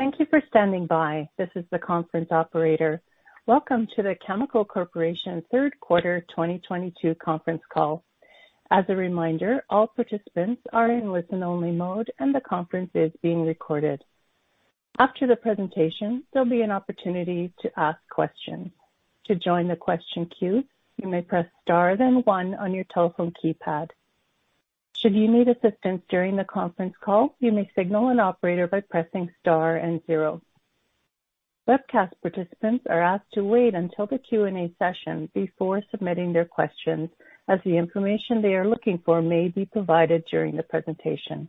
Thank you for standing by. This is the conference operator. Welcome to the Cameco Corporation Third Quarter 2022 Conference Call. As a reminder, all participants are in listen-only mode, and the conference is being recorded. After the presentation, there'll be an opportunity to ask questions. To join the question queue, you may press star then one on your telephone keypad. Should you need assistance during the conference call, you may signal an operator by pressing star and zero. Webcast participants are asked to wait until the Q&A session before submitting their questions as the information they are looking for may be provided during the presentation.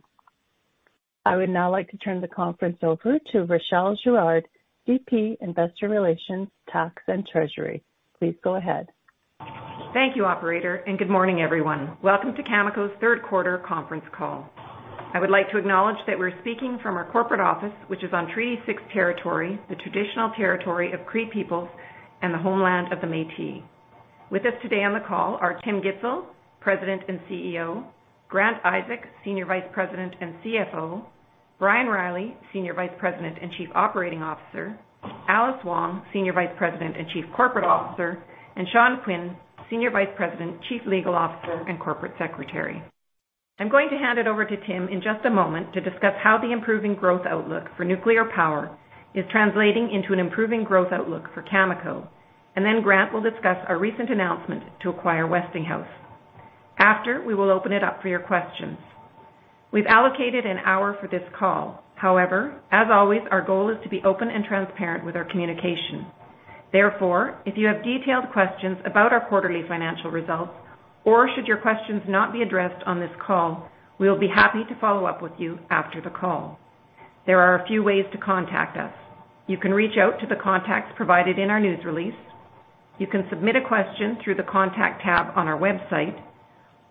I would now like to turn the conference over to Rachelle Girard, VP, Investor Relations, Tax, and Treasury. Please go ahead. Thank you, operator, and good morning, everyone. Welcome to Cameco's third quarter conference call. I would like to acknowledge that we're speaking from our corporate office, which is on Treaty Six territory, the traditional territory of Cree peoples and the homeland of the Métis. With us today on the call are Tim Gitzel, President and CEO, Grant Isaac, Senior Vice President and CFO, Brian Reilly, Senior Vice President and Chief Operating Officer, Alice Wong, Senior Vice President and Chief Corporate Officer, and Sean Quinn, Senior Vice President, Chief Legal Officer, and Corporate Secretary. I'm going to hand it over to Tim in just a moment to discuss how the improving growth outlook for nuclear power is translating into an improving growth outlook for Cameco, and then Grant will discuss our recent announcement to acquire Westinghouse. After, we will open it up for your questions. We've allocated an hour for this call. However, as always, our goal is to be open and transparent with our communication. Therefore, if you have detailed questions about our quarterly financial results or should your questions not be addressed on this call, we'll be happy to follow up with you after the call. There are a few ways to contact us. You can reach out to the contacts provided in our news release. You can submit a question through the Contact tab on our website,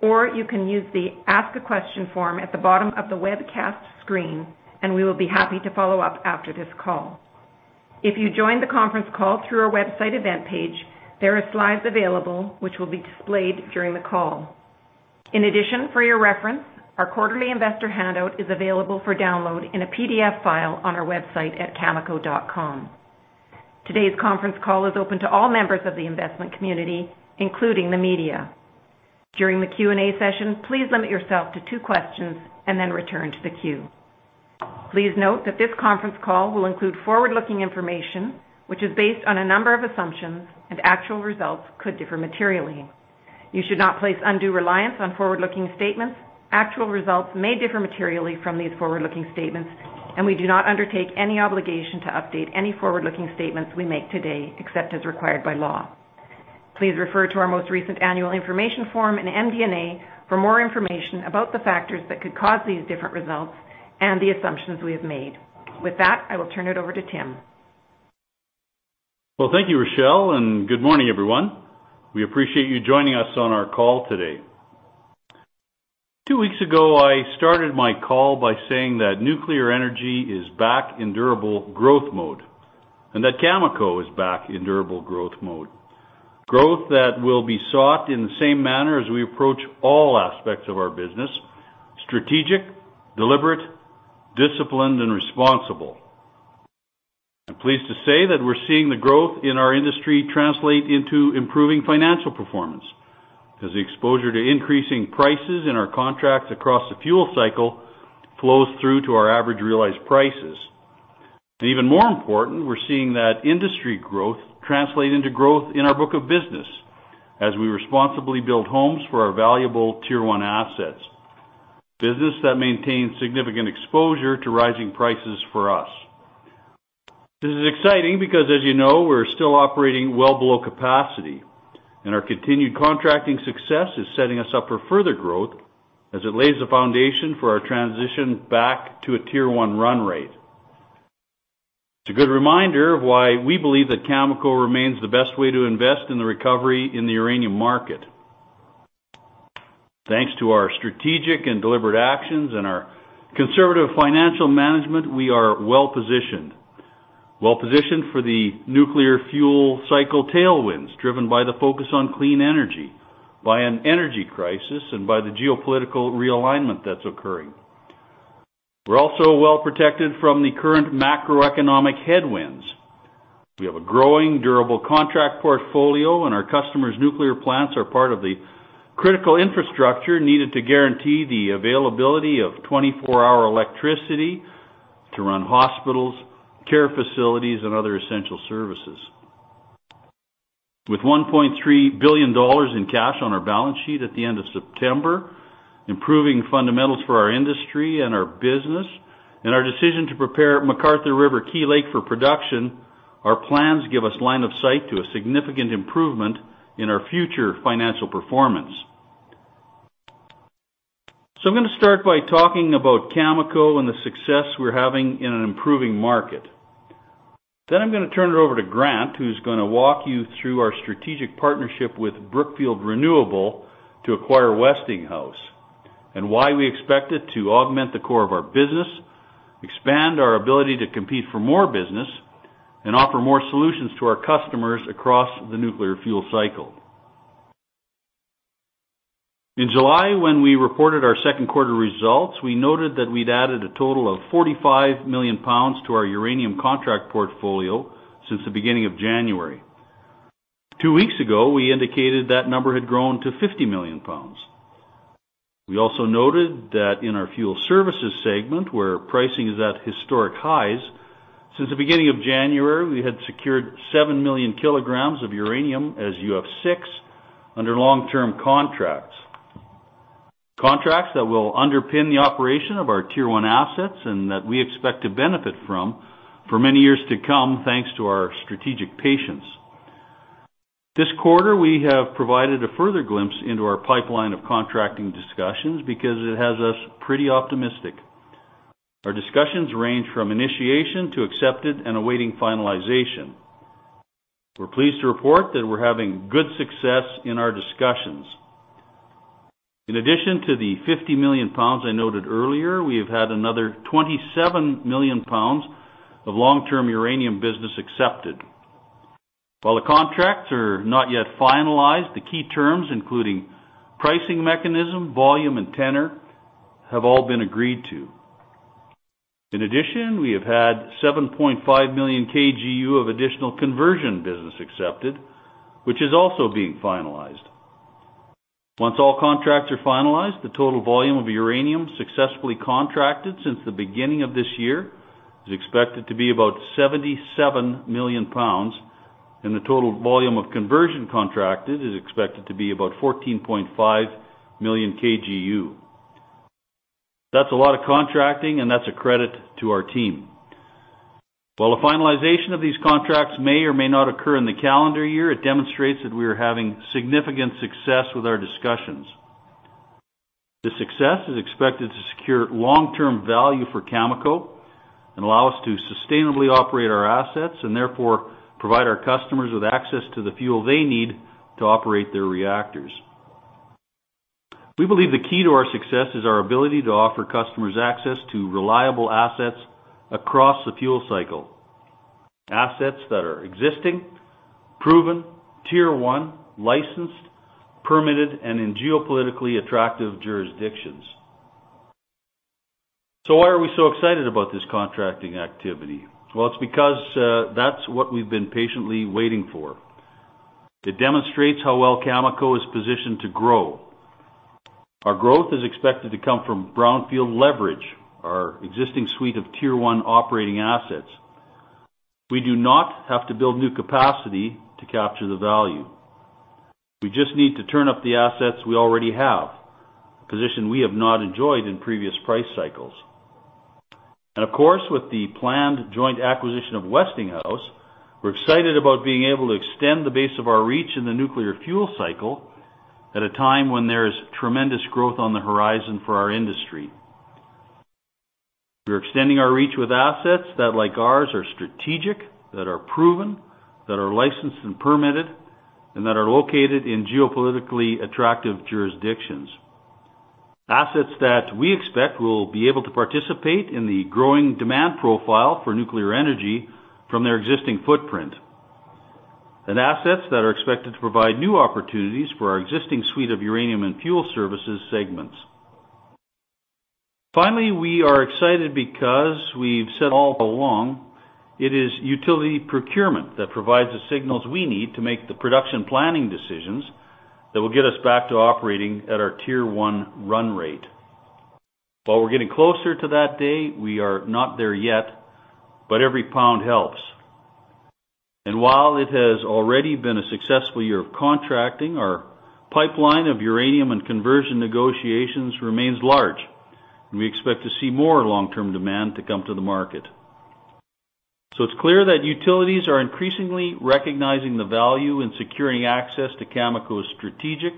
or you can use the Ask a Question form at the bottom of the webcast screen, and we will be happy to follow up after this call. If you joined the conference call through our website event page, there are slides available which will be displayed during the call. In addition, for your reference, our quarterly investor handout is available for download in a PDF file on our website at cameco.com. Today's conference call is open to all members of the investment community, including the media. During the Q&A session, please limit yourself to two questions and then return to the queue. Please note that this conference call will include forward-looking information, which is based on a number of assumptions, and actual results could differ materially. You should not place undue reliance on forward-looking statements. Actual results may differ materially from these forward-looking statements, and we do not undertake any obligation to update any forward-looking statements we make today, except as required by law. Please refer to our most recent annual information form and MD&A for more information about the factors that could cause these different results and the assumptions we have made. With that, I will turn it over to Tim. Well, thank you, Rachelle, and good morning, everyone. We appreciate you joining us on our call today. Two weeks ago, I started my call by saying that nuclear energy is back in durable growth mode and that Cameco is back in durable growth mode. Growth that will be sought in the same manner as we approach all aspects of our business, strategic, deliberate, disciplined and responsible. I'm pleased to say that we're seeing the growth in our industry translate into improving financial performance as the exposure to increasing prices in our contracts across the fuel cycle flows through to our average realized prices. Even more important, we're seeing that industry growth translate into growth in our book of business as we responsibly build homes for our valuable Tier 1 assets, business that maintains significant exposure to rising prices for us. This is exciting because, as you know, we're still operating well below capacity, and our continued contracting success is setting us up for further growth as it lays the foundation for our transition back to a Tier-1 run rate. It's a good reminder of why we believe that Cameco remains the best way to invest in the recovery in the uranium market. Thanks to our strategic and deliberate actions and our conservative financial management, we are well positioned for the nuclear fuel cycle tailwinds, driven by the focus on clean energy, by an energy crisis, and by the geopolitical realignment that's occurring. We're also well protected from the current macroeconomic headwinds. We have a growing durable contract portfolio, and our customers' nuclear plants are part of the critical infrastructure needed to guarantee the availability of 24-hour electricity to run hospitals, care facilities, and other essential services. With $1.3 billion in cash on our balance sheet at the end of September, improving fundamentals for our industry and our business, and our decision to prepare McArthur River/Key Lake for production, our plans give us line of sight to a significant improvement in our future financial performance. I'm gonna start by talking about Cameco and the success we're having in an improving market. I'm gonna turn it over to Grant, who's gonna walk you through our strategic partnership with Brookfield Renewable to acquire Westinghouse and why we expect it to augment the core of our business, expand our ability to compete for more business, and offer more solutions to our customers across the nuclear fuel cycle. In July, when we reported our second quarter results, we noted that we'd added a total of 45 million lbs to our uranium contract portfolio since the beginning of January. Two weeks ago, we indicated that number had grown to 50 million lbs. We also noted that in our fuel services segment, where pricing is at historic highs, since the beginning of January, we had secured 7 million kgs of uranium as UF6 under long-term contracts that will underpin the operation of our Tier-1 assets and that we expect to benefit from for many years to come thanks to our strategic patience. This quarter, we have provided a further glimpse into our pipeline of contracting discussions because it has us pretty optimistic. Our discussions range from initiation to accepted and awaiting finalization. We're pleased to report that we're having good success in our discussions. In addition to the 50 million lbs I noted earlier, we have had another 27 million lbs of long-term uranium business accepted. While the contracts are not yet finalized, the key terms, including pricing mechanism, volume, and tenor, have all been agreed to. In addition, we have had 7.5 million kgU of additional conversion business accepted, which is also being finalized. Once all contracts are finalized, the total volume of uranium successfully contracted since the beginning of this year is expected to be about 77 million lbs, and the total volume of conversion contracted is expected to be about 14.5 million kgU. That's a lot of contracting, and that's a credit to our team. While the finalization of these contracts may or may not occur in the calendar year, it demonstrates that we are having significant success with our discussions. This success is expected to secure long-term value for Cameco and allow us to sustainably operate our assets and therefore provide our customers with access to the fuel they need to operate their reactors. We believe the key to our success is our ability to offer customers access to reliable assets across the fuel cycle, assets that are existing, proven, Tier-1, licensed, permitted, and in geopolitically attractive jurisdictions. Why are we so excited about this contracting activity? Well, it's because, that's what we've been patiently waiting for. It demonstrates how well Cameco is positioned to grow. Our growth is expected to come from brownfield leverage, our existing suite of Tier-1 operating assets. We do not have to build new capacity to capture the value. We just need to turn up the assets we already have, a position we have not enjoyed in previous price cycles. Of course, with the planned joint acquisition of Westinghouse, we're excited about being able to extend the base of our reach in the nuclear fuel cycle at a time when there is tremendous growth on the horizon for our industry. We're extending our reach with assets that, like ours, are strategic, that are proven, that are licensed and permitted, and that are located in geopolitically attractive jurisdictions, assets that we expect will be able to participate in the growing demand profile for nuclear energy from their existing footprint, and assets that are expected to provide new opportunities for our existing suite of uranium and fuel services segments. Finally, we are excited because we've said all along it is utility procurement that provides the signals we need to make the production planning decisions that will get us back to operating at our Tier-1 run rate. While we're getting closer to that day, we are not there yet, but every pound helps. While it has already been a successful year of contracting, our pipeline of uranium and conversion negotiations remains large, and we expect to see more long-term demand to come to the market. It's clear that utilities are increasingly recognizing the value in securing access to Cameco's strategic,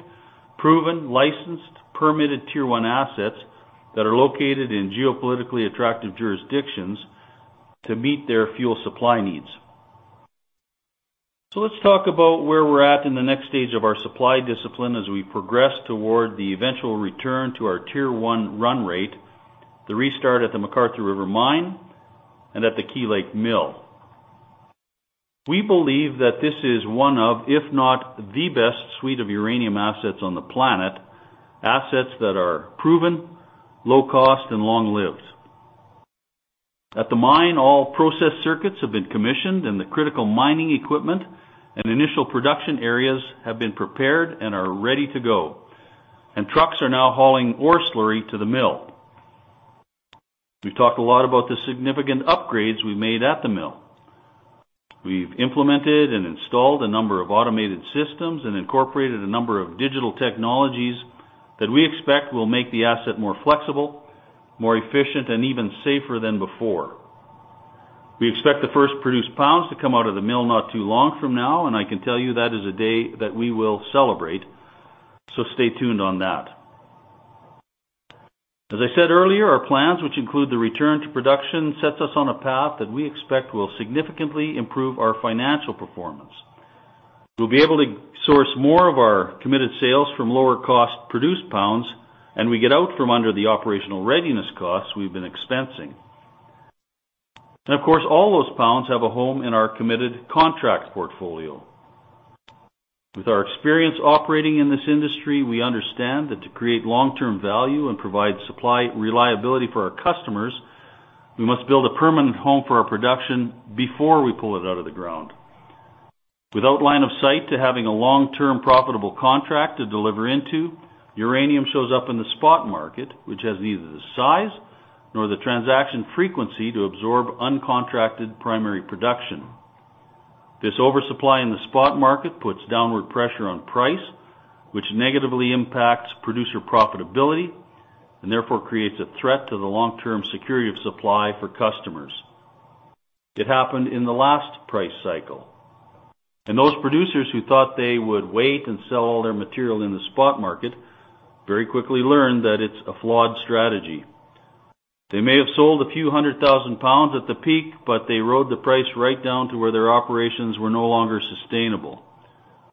proven, licensed, permitted Tier-1 assets that are located in geopolitically attractive jurisdictions to meet their fuel supply needs. Let's talk about where we're at in the next stage of our supply discipline as we progress toward the eventual return to our Tier-1 run rate, the restart at the McArthur River mine and at the Key Lake mill. We believe that this is one of, if not the best suite of uranium assets on the planet, assets that are proven, low cost, and long lived. At the mine, all process circuits have been commissioned, and the critical mining equipment and initial production areas have been prepared and are ready to go. Trucks are now hauling ore slurry to the mill. We've talked a lot about the significant upgrades we made at the mill. We've implemented and installed a number of automated systems and incorporated a number of digital technologies that we expect will make the asset more flexible, more efficient, and even safer than before. We expect the first produced pounds to come out of the mill not too long from now, and I can tell you that is a day that we will celebrate, so stay tuned on that. As I said earlier, our plans, which include the return to production, sets us on a path that we expect will significantly improve our financial performance. We'll be able to source more of our committed sales from lower cost produced pounds, and we get out from under the operational readiness costs we've been expensing. Of course, all those pounds have a home in our committed contract portfolio. With our experience operating in this industry, we understand that to create long-term value and provide supply reliability for our customers, we must build a permanent home for our production before we pull it out of the ground. Without line of sight to having a long-term profitable contract to deliver into, uranium shows up in the spot market, which has neither the size nor the transaction frequency to absorb uncontracted primary production. This oversupply in the spot market puts downward pressure on price, which negatively impacts producer profitability and therefore creates a threat to the long-term security of supply for customers. It happened in the last price cycle, and those producers who thought they would wait and sell all their material in the spot market very quickly learned that it's a flawed strategy. They may have sold a few hundred thousand pounds at the peak, but they rode the price right down to where their operations were no longer sustainable,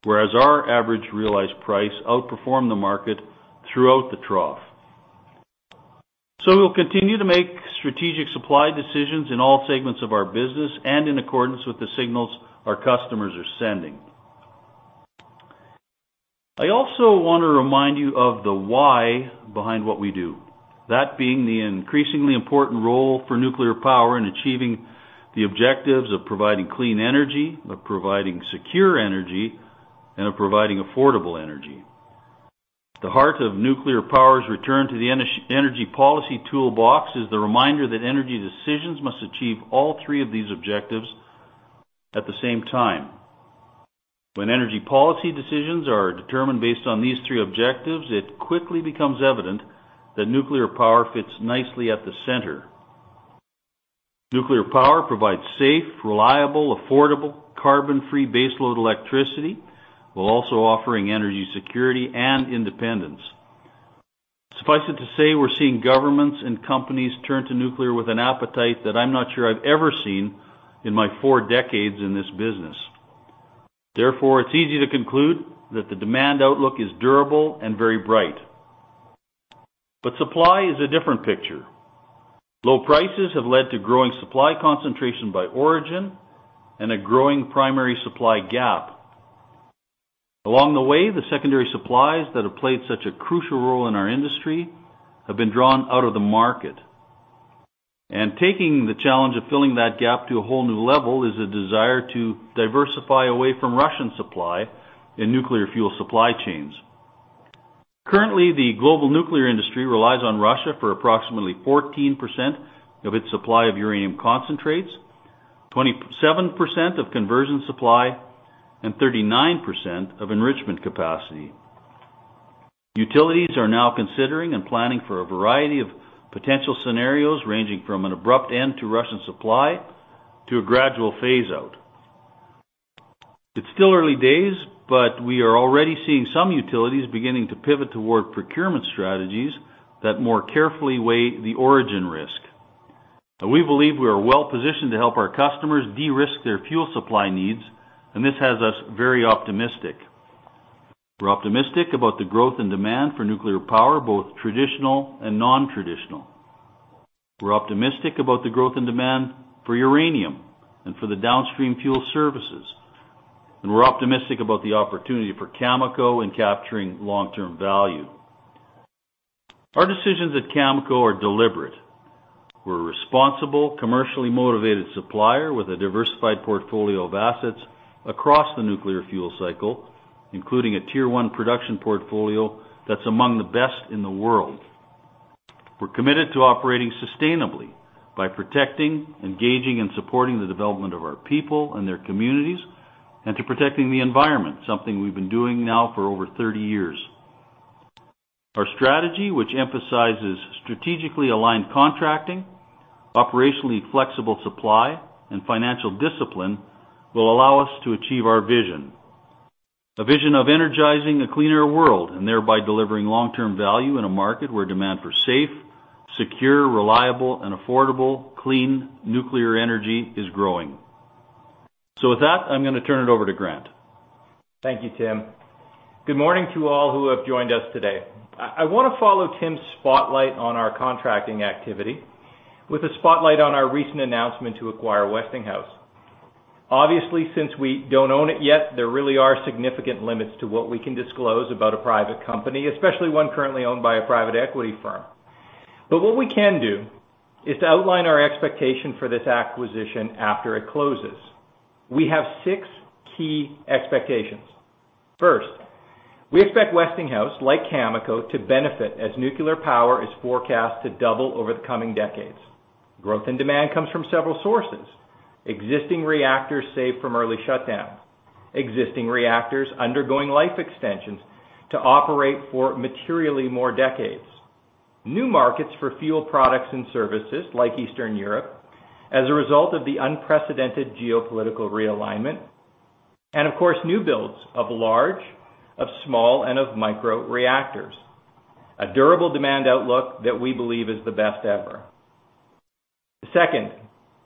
whereas our average realized price outperformed the market throughout the trough. We'll continue to make strategic supply decisions in all segments of our business and in accordance with the signals our customers are sending. I also want to remind you of the why behind what we do, that being the increasingly important role for nuclear power in achieving the objectives of providing clean energy, of providing secure energy, and of providing affordable energy. The heart of nuclear power's return to the energy policy toolbox is the reminder that energy decisions must achieve all three of these objectives at the same time. When energy policy decisions are determined based on these three objectives, it quickly becomes evident that nuclear power fits nicely at the center. Nuclear power provides safe, reliable, affordable, carbon-free baseload electricity, while also offering energy security and independence. Suffice it to say, we're seeing governments and companies turn to nuclear with an appetite that I'm not sure I've ever seen in my four decades in this business. Therefore, it's easy to conclude that the demand outlook is durable and very bright. Supply is a different picture. Low prices have led to growing supply concentration by origin and a growing primary supply gap. Along the way, the secondary supplies that have played such a crucial role in our industry have been drawn out of the market. Taking the challenge of filling that gap to a whole new level is a desire to diversify away from Russian supply in nuclear fuel supply chains. Currently, the global nuclear industry relies on Russia for approximately 14% of its supply of uranium concentrates, 27% of conversion supply, and 39% of enrichment capacity. Utilities are now considering and planning for a variety of potential scenarios ranging from an abrupt end to Russian supply to a gradual phase out. It's still early days, but we are already seeing some utilities beginning to pivot toward procurement strategies that more carefully weigh the origin risk. We believe we are well-positioned to help our customers de-risk their fuel supply needs, and this has us very optimistic. We're optimistic about the growth and demand for nuclear power, both traditional and non-traditional. We're optimistic about the growth and demand for uranium and for the downstream fuel services, and we're optimistic about the opportunity for Cameco in capturing long-term value. Our decisions at Cameco are deliberate. We're a responsible, commercially motivated supplier with a diversified portfolio of assets across the nuclear fuel cycle, including a Tier 1 production portfolio that's among the best in the world. We're committed to operating sustainably by protecting, engaging, and supporting the development of our people and their communities, and to protecting the environment, something we've been doing now for over 30 years. Our strategy, which emphasizes strategically aligned contracting, operationally flexible supply, and financial discipline, will allow us to achieve our vision, a vision of energizing a cleaner world and thereby delivering long-term value in a market where demand for safe, secure, reliable, and affordable clean nuclear energy is growing. With that, I'm gonna turn it over to Grant. Thank you, Tim. Good morning to all who have joined us today. I wanna follow Tim's spotlight on our contracting activity with a spotlight on our recent announcement to acquire Westinghouse. Obviously, since we don't own it yet, there really are significant limits to what we can disclose about a private company, especially one currently owned by a private equity firm. What we can do is to outline our expectation for this acquisition after it closes. We have six key expectations. First, we expect Westinghouse, like Cameco, to benefit as nuclear power is forecast to double over the coming decades. Growth and demand comes from several sources, existing reactors saved from early shutdown, existing reactors undergoing life extensions to operate for materially more decades, new markets for fuel products and services like Eastern Europe as a result of the unprecedented geopolitical realignment, and of course, new builds of large, of small, and of micro reactors. A durable demand outlook that we believe is the best ever. Second,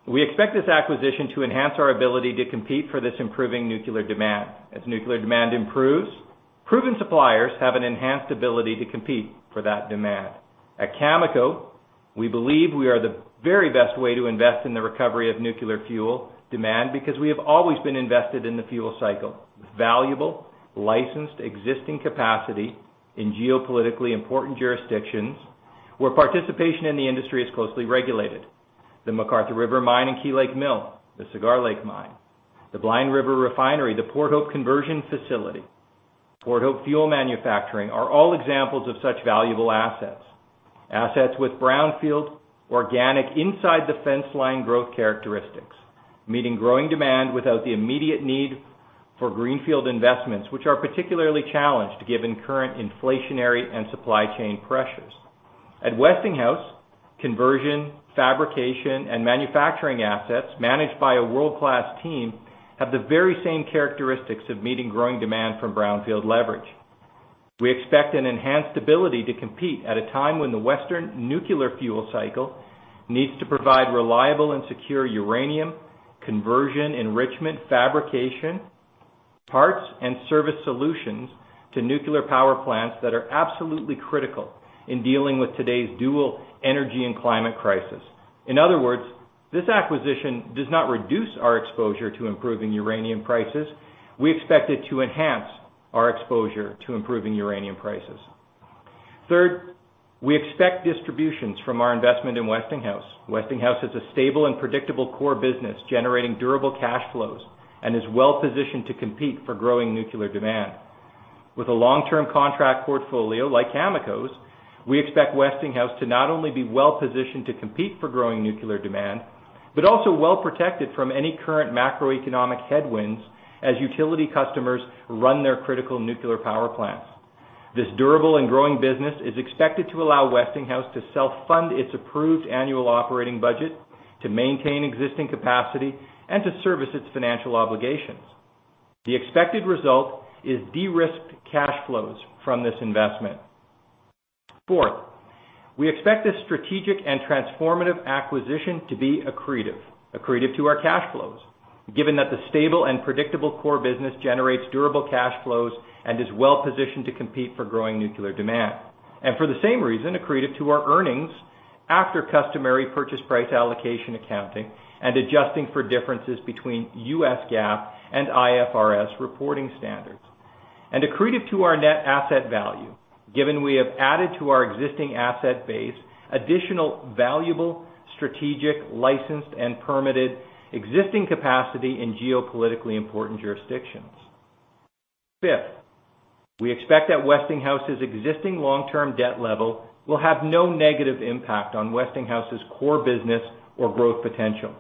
we expect this acquisition to enhance our ability to compete for this improving nuclear demand. As nuclear demand improves. Proven suppliers have an enhanced ability to compete for that demand. At Cameco, we believe we are the very best way to invest in the recovery of nuclear fuel demand because we have always been invested in the fuel cycle, valuable, licensed existing capacity in geopolitically important jurisdictions where participation in the industry is closely regulated. The McArthur River Mine and Key Lake Mill, the Cigar Lake Mine, the Blind River Refinery, the Port Hope Conversion Facility, Port Hope Fuel Manufacturing are all examples of such valuable assets. Assets with brownfield organic inside-the-fence line growth characteristics, meeting growing demand without the immediate need for greenfield investments, which are particularly challenged given current inflationary and supply chain pressures. At Westinghouse, conversion, fabrication, and manufacturing assets managed by a world-class team have the very same characteristics of meeting growing demand from brownfield leverage. We expect an enhanced ability to compete at a time when the Western nuclear fuel cycle needs to provide reliable and secure uranium, conversion, enrichment, fabrication, parts, and service solutions to nuclear power plants that are absolutely critical in dealing with today's dual energy and climate crisis. In other words, this acquisition does not reduce our exposure to improving uranium prices. We expect it to enhance our exposure to improving uranium prices. Third, we expect distributions from our investment in Westinghouse. Westinghouse is a stable and predictable core business generating durable cash flows and is well-positioned to compete for growing nuclear demand. With a long-term contract portfolio like Cameco's, we expect Westinghouse to not only be well-positioned to compete for growing nuclear demand, but also well-protected from any current macroeconomic headwinds as utility customers run their critical nuclear power plants. This durable and growing business is expected to allow Westinghouse to self-fund its approved annual operating budget, to maintain existing capacity, and to service its financial obligations. The expected result is de-risked cash flows from this investment. Fourth, we expect this strategic and transformative acquisition to be accretive to our cash flows, given that the stable and predictable core business generates durable cash flows and is well-positioned to compete for growing nuclear demand. For the same reason, accretive to our earnings after customary purchase price allocation accounting and adjusting for differences between U.S. GAAP and IFRS reporting standards. Accretive to our net asset value, given we have added to our existing asset base additional valuable strategic licensed and permitted existing capacity in geopolitically important jurisdictions. Fifth, we expect that Westinghouse's existing long-term debt level will have no negative impact on Westinghouse's core business or growth potential.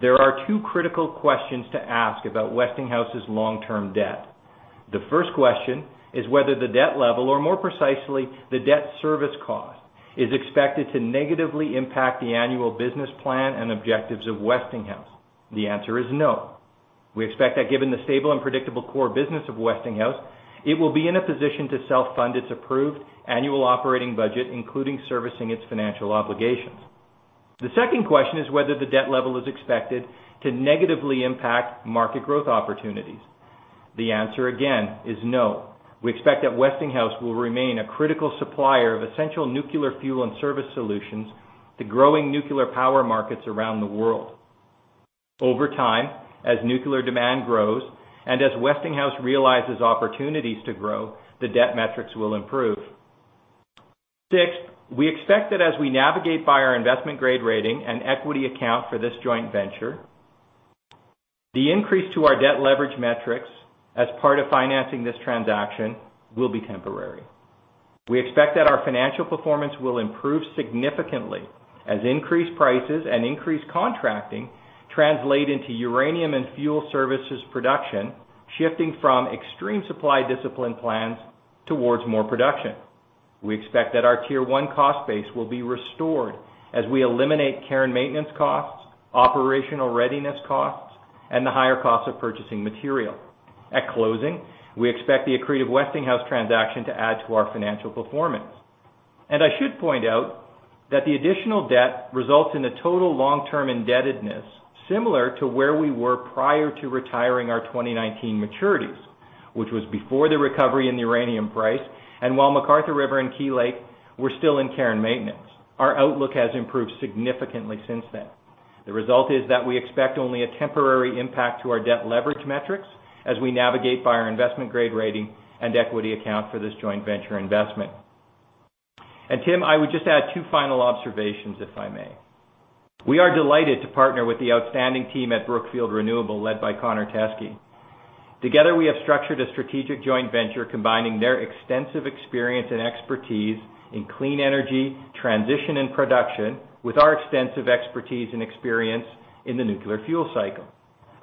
There are two critical questions to ask about Westinghouse's long-term debt. The first question is whether the debt level, or more precisely, the debt service cost, is expected to negatively impact the annual business plan and objectives of Westinghouse. The answer is no. We expect that given the stable and predictable core business of Westinghouse, it will be in a position to self-fund its approved annual operating budget, including servicing its financial obligations. The second question is whether the debt level is expected to negatively impact market growth opportunities. The answer, again, is no. We expect that Westinghouse will remain a critical supplier of essential nuclear fuel and service solutions to growing nuclear power markets around the world. Over time, as nuclear demand grows and as Westinghouse realizes opportunities to grow, the debt metrics will improve. Sixth, we expect that as we navigate by our investment grade rating and equity account for this joint venture, the increase to our debt leverage metrics as part of financing this transaction will be temporary. We expect that our financial performance will improve significantly as increased prices and increased contracting translate into uranium and fuel services production shifting from extreme supply discipline plans towards more production. We expect that our Tier 1 cost base will be restored as we eliminate care and maintenance costs, operational readiness costs, and the higher costs of purchasing material. At closing, we expect the accretive Westinghouse transaction to add to our financial performance. I should point out that the additional debt results in a total long-term indebtedness similar to where we were prior to retiring our 2019 maturities, which was before the recovery in the uranium price, and while McArthur River and Key Lake were still in care and maintenance. Our outlook has improved significantly since then. The result is that we expect only a temporary impact to our debt leverage metrics as we navigate by our investment grade rating and equity account for this joint venture investment. Tim, I would just add two final observations, if I may. We are delighted to partner with the outstanding team at Brookfield Renewable led by Connor Teskey. Together, we have structured a strategic joint venture combining their extensive experience and expertise in clean energy transition and production with our extensive expertise and experience in the nuclear fuel cycle.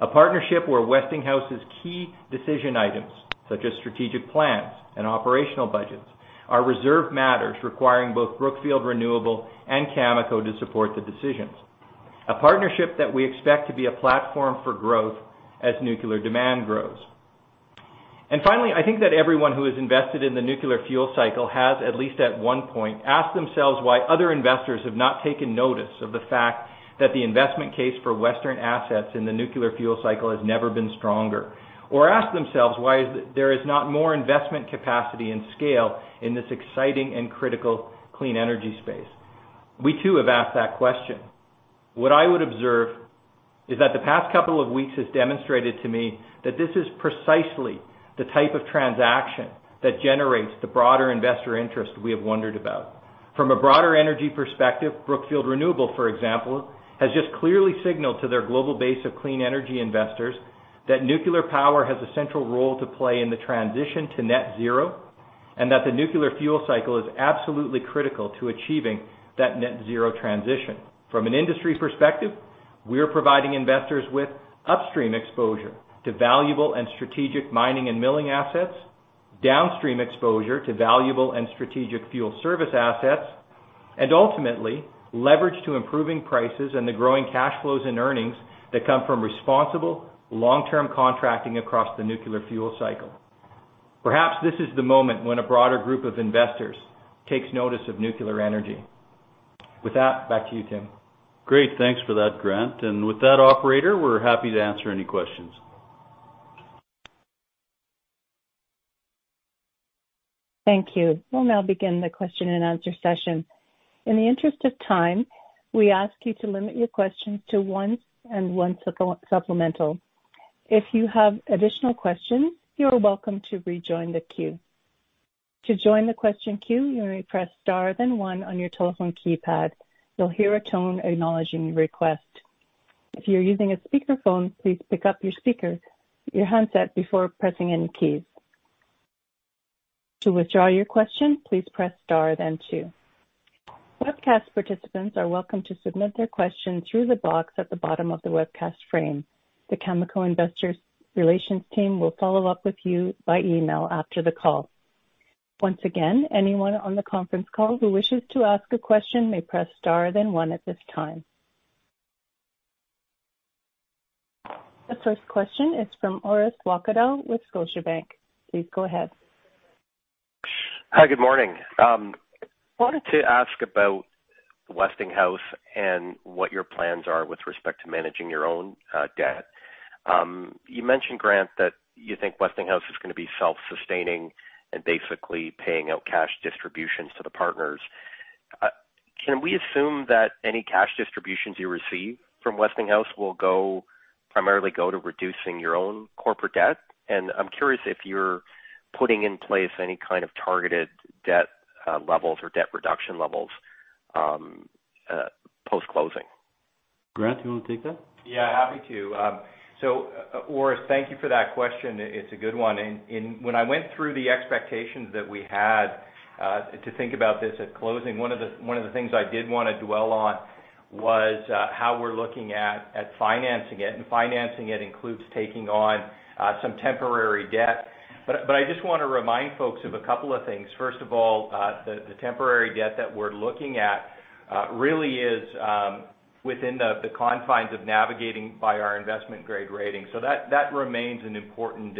A partnership where Westinghouse's key decision items, such as strategic plans and operational budgets, are reserve matters requiring both Brookfield Renewable and Cameco to support the decisions. A partnership that we expect to be a platform for growth as nuclear demand grows. Finally, I think that everyone who has invested in the nuclear fuel cycle has, at least at one point, asked themselves why other investors have not taken notice of the fact that the investment case for Western assets in the nuclear fuel cycle has never been stronger, or asked themselves why there is not more investment capacity and scale in this exciting and critical clean energy space. We too have asked that question. What I would observe is that the past couple of weeks has demonstrated to me that this is precisely the type of transaction that generates the broader investor interest we have wondered about. From a broader energy perspective, Brookfield Renewable, for example, has just clearly signaled to their global base of clean energy investors that nuclear power has a central role to play in the transition to net zero, and that the nuclear fuel cycle is absolutely critical to achieving that net zero transition. From an industry perspective, we are providing investors with upstream exposure to valuable and strategic mining and milling assets, downstream exposure to valuable and strategic fuel service assets, and ultimately leverage to improving prices and the growing cash flows and earnings that come from responsible long-term contracting across the nuclear fuel cycle. Perhaps this is the moment when a broader group of investors takes notice of nuclear energy. With that, back to you, Tim. Great. Thanks for that, Grant. With that operator, we're happy to answer any questions. Thank you. We'll now begin the question and answer session. In the interest of time, we ask you to limit your questions to one and one supplemental. If you have additional questions, you are welcome to rejoin the queue. To join the question queue, you may press star then one on your telephone keypad. You'll hear a tone acknowledging your request. If you're using a speakerphone, please pick up your speakers, your handset before pressing any keys. To withdraw your question, please press Star then two. Webcast participants are welcome to submit their question through the box at the bottom of the webcast frame. The Cameco investor relations team will follow up with you by email after the call. Once again, anyone on the conference call who wishes to ask a question may press Star then one at this time. The first question is from Orest Wowkodaw with Scotiabank. Please go ahead. Hi, good morning. I wanted to ask about Westinghouse and what your plans are with respect to managing your own debt. You mentioned, Grant, that you think Westinghouse is going to be self-sustaining and basically paying out cash distributions to the partners. Can we assume that any cash distributions you receive from Westinghouse will go, primarily go to reducing your own corporate debt? I'm curious if you're putting in place any kind of targeted debt levels or debt reduction levels post-closing. Grant, do you want to take that? Yeah, happy to. Orest, thank you for that question. It's a good one. When I went through the expectations that we had to think about this at closing, one of the things I did want to dwell on was how we're looking at financing it. Financing it includes taking on some temporary debt. I just want to remind folks of a couple of things. First of all, the temporary debt that we're looking at really is within the confines of navigating by our investment grade rating. That remains an important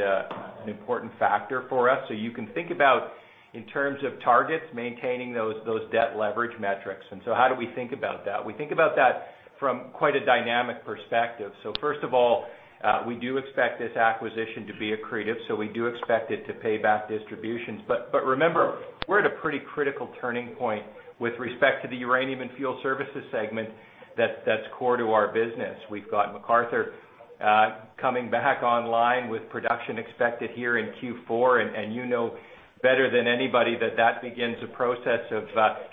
factor for us. You can think about in terms of targets, maintaining those debt leverage metrics. How do we think about that? We think about that from quite a dynamic perspective. First of all, we do expect this acquisition to be accretive, so we do expect it to pay back distributions. Remember, we're at a pretty critical turning point with respect to the uranium and fuel services segment that that's core to our business. We've got McArthur coming back online with production expected here in Q4. You know better than anybody that that begins a process of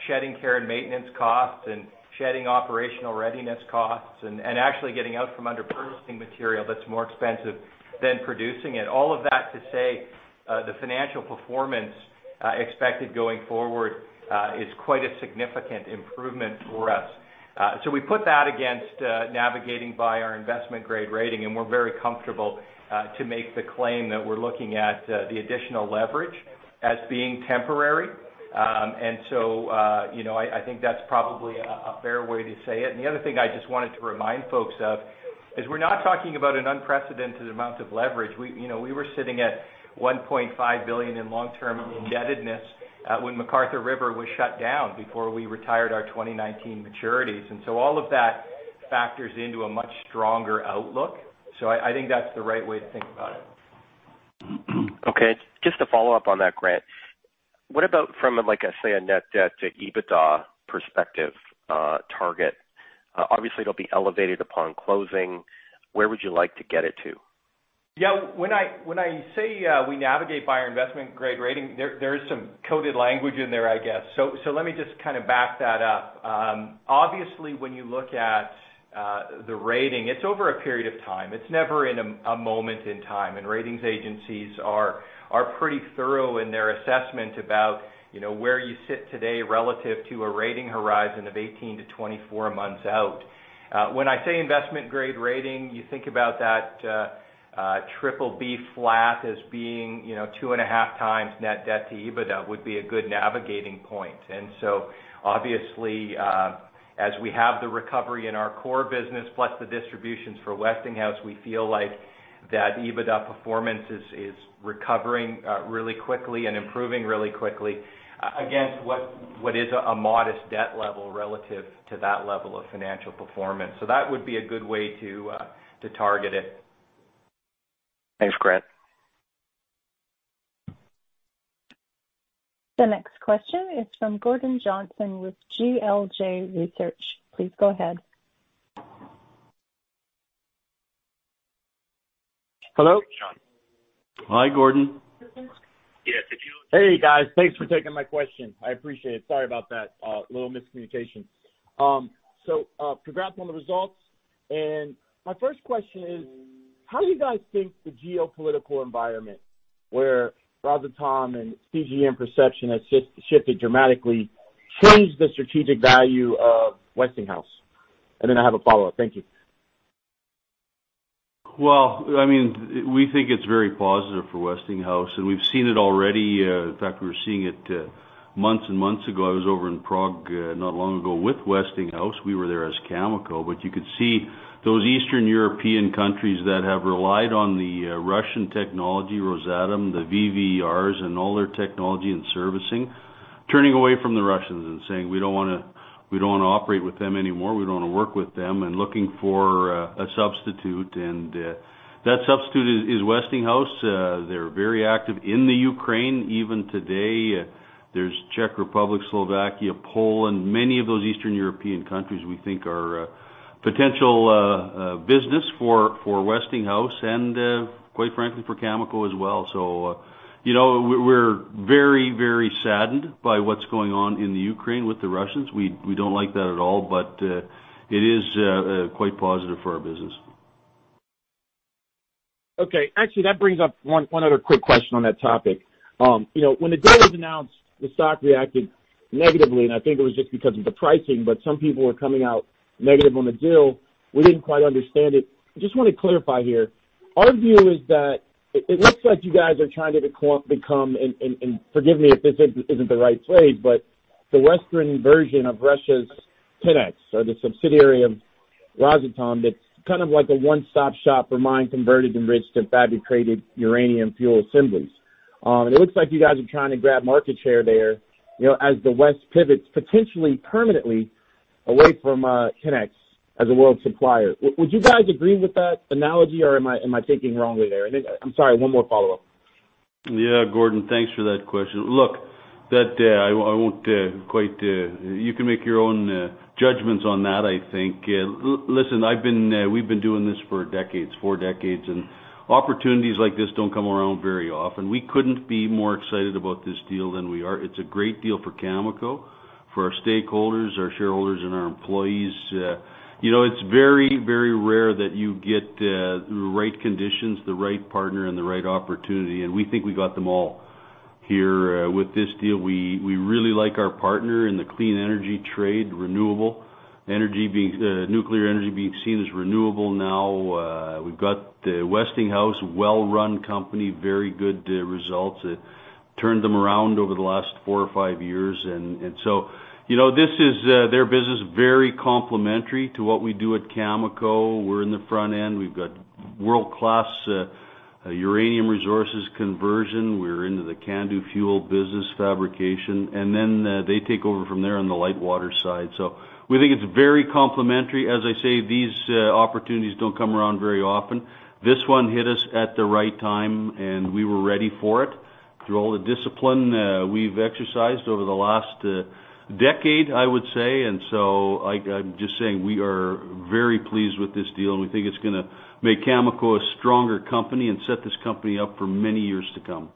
shedding care and maintenance costs and shedding operational readiness costs and actually getting out from under purchasing material that's more expensive than producing it. All of that to say, the financial performance expected going forward is quite a significant improvement for us. We put that against navigating by our investment-grade rating, and we're very comfortable to make the claim that we're looking at the additional leverage as being temporary. You know, I think that's probably a fair way to say it. The other thing I just wanted to remind folks of is we're not talking about an unprecedented amount of leverage. You know, we were sitting at $1.5 billion in long-term indebtedness when McArthur River was shut down before we retired our 2019 maturities. All of that factors into a much stronger outlook. I think that's the right way to think about it. Okay. Just to follow up on that, Grant. What about from like, say, a net debt to EBITDA perspective, target? Obviously it'll be elevated upon closing. Where would you like to get it to? Yeah, when I say we navigate by our investment grade rating, there is some coded language in there, I guess. Let me just kind of back that up. Obviously, when you look at the rating, it's over a period of time. It's never in a moment in time. Ratings agencies are pretty thorough in their assessment about, you know, where you sit today relative to a rating horizon of 18 to 24 months out. When I say investment grade rating, you think about that BBB flat as being, you know, 2.5x net debt to EBITDA would be a good navigating point. Obviously, as we have the recovery in our core business, plus the distributions for Westinghouse, we feel like that EBITDA performance is recovering really quickly and improving really quickly against what is a modest debt level relative to that level of financial performance. That would be a good way to target it. Thanks, Grant. The next question is from Gordon Johnson with GLJ Research. Please go ahead. Hello? Hi, Gordon. Yes. Hey guys, thanks for taking my question. I appreciate it. Sorry about that, little miscommunication. Congrats on the results. My first question is, how do you guys think the geopolitical environment where Rosatom and CGN perception has shifted dramatically changed the strategic value of Westinghouse? I have a follow-up. Thank you. Well, I mean, we think it's very positive for Westinghouse, and we've seen it already. In fact, we were seeing it months and months ago. I was over in Prague not long ago with Westinghouse. We were there as Cameco. But you could see those Eastern European countries that have relied on the Russian technology, Rosatom, the VVERs and all their technology and servicing, turning away from the Russians and saying, "We don't wanna operate with them anymore. We don't wanna work with them," and looking for a substitute. That substitute is Westinghouse. They're very active in the Ukraine even today. There's Czech Republic, Slovakia, Poland, many of those Eastern European countries we think are potential business for Westinghouse and, quite frankly, for Cameco as well. You know, we're very, very saddened by what's going on in the Ukraine with the Russians. We don't like that at all, but it is quite positive for our business. Okay. Actually, that brings up one other quick question on that topic. You know, when the deal was announced, the stock reacted negatively, and I think it was just because of the pricing, but some people were coming out negative on the deal. We didn't quite understand it. I just wanna clarify here. Our view is that it looks like you guys are trying to become, and forgive me if this isn't the right phrase, but the Western version of Russia's TENEX or the subsidiary of Rosatom, that's kind of like a one-stop shop for mined converted enriched and fabricated uranium fuel assemblies. And it looks like you guys are trying to grab market share there, you know, as the West pivots potentially permanently away from TENEX as a world supplier. Would you guys agree with that analogy, or am I thinking wrongly there? I'm sorry, one more follow-up. Yeah. Gordon, thanks for that question. Look, you can make your own judgments on that, I think. Listen, we've been doing this for four decades, and opportunities like this don't come around very often. We couldn't be more excited about this deal than we are. It's a great deal for Cameco, for our stakeholders, our shareholders, and our employees. You know, it's very, very rare that you get the right conditions, the right partner and the right opportunity, and we think we got them all here with this deal. We really like our partner in the clean energy trade, nuclear energy being seen as renewable now. We've got the Westinghouse well-run company, very good results. It turned them around over the last four or five years. You know, this is their business, very complementary to what we do at Cameco. We're in the front end. We've got world-class uranium resources conversion. We're into the CANDU fuel business fabrication, and then they take over from there on the light water side. We think it's very complementary. As I say, these opportunities don't come around very often. This one hit us at the right time, and we were ready for it through all the discipline we've exercised over the last decade, I would say. I'm just saying we are very pleased with this deal, and we think it's gonna make Cameco a stronger company and set this company up for many years to come.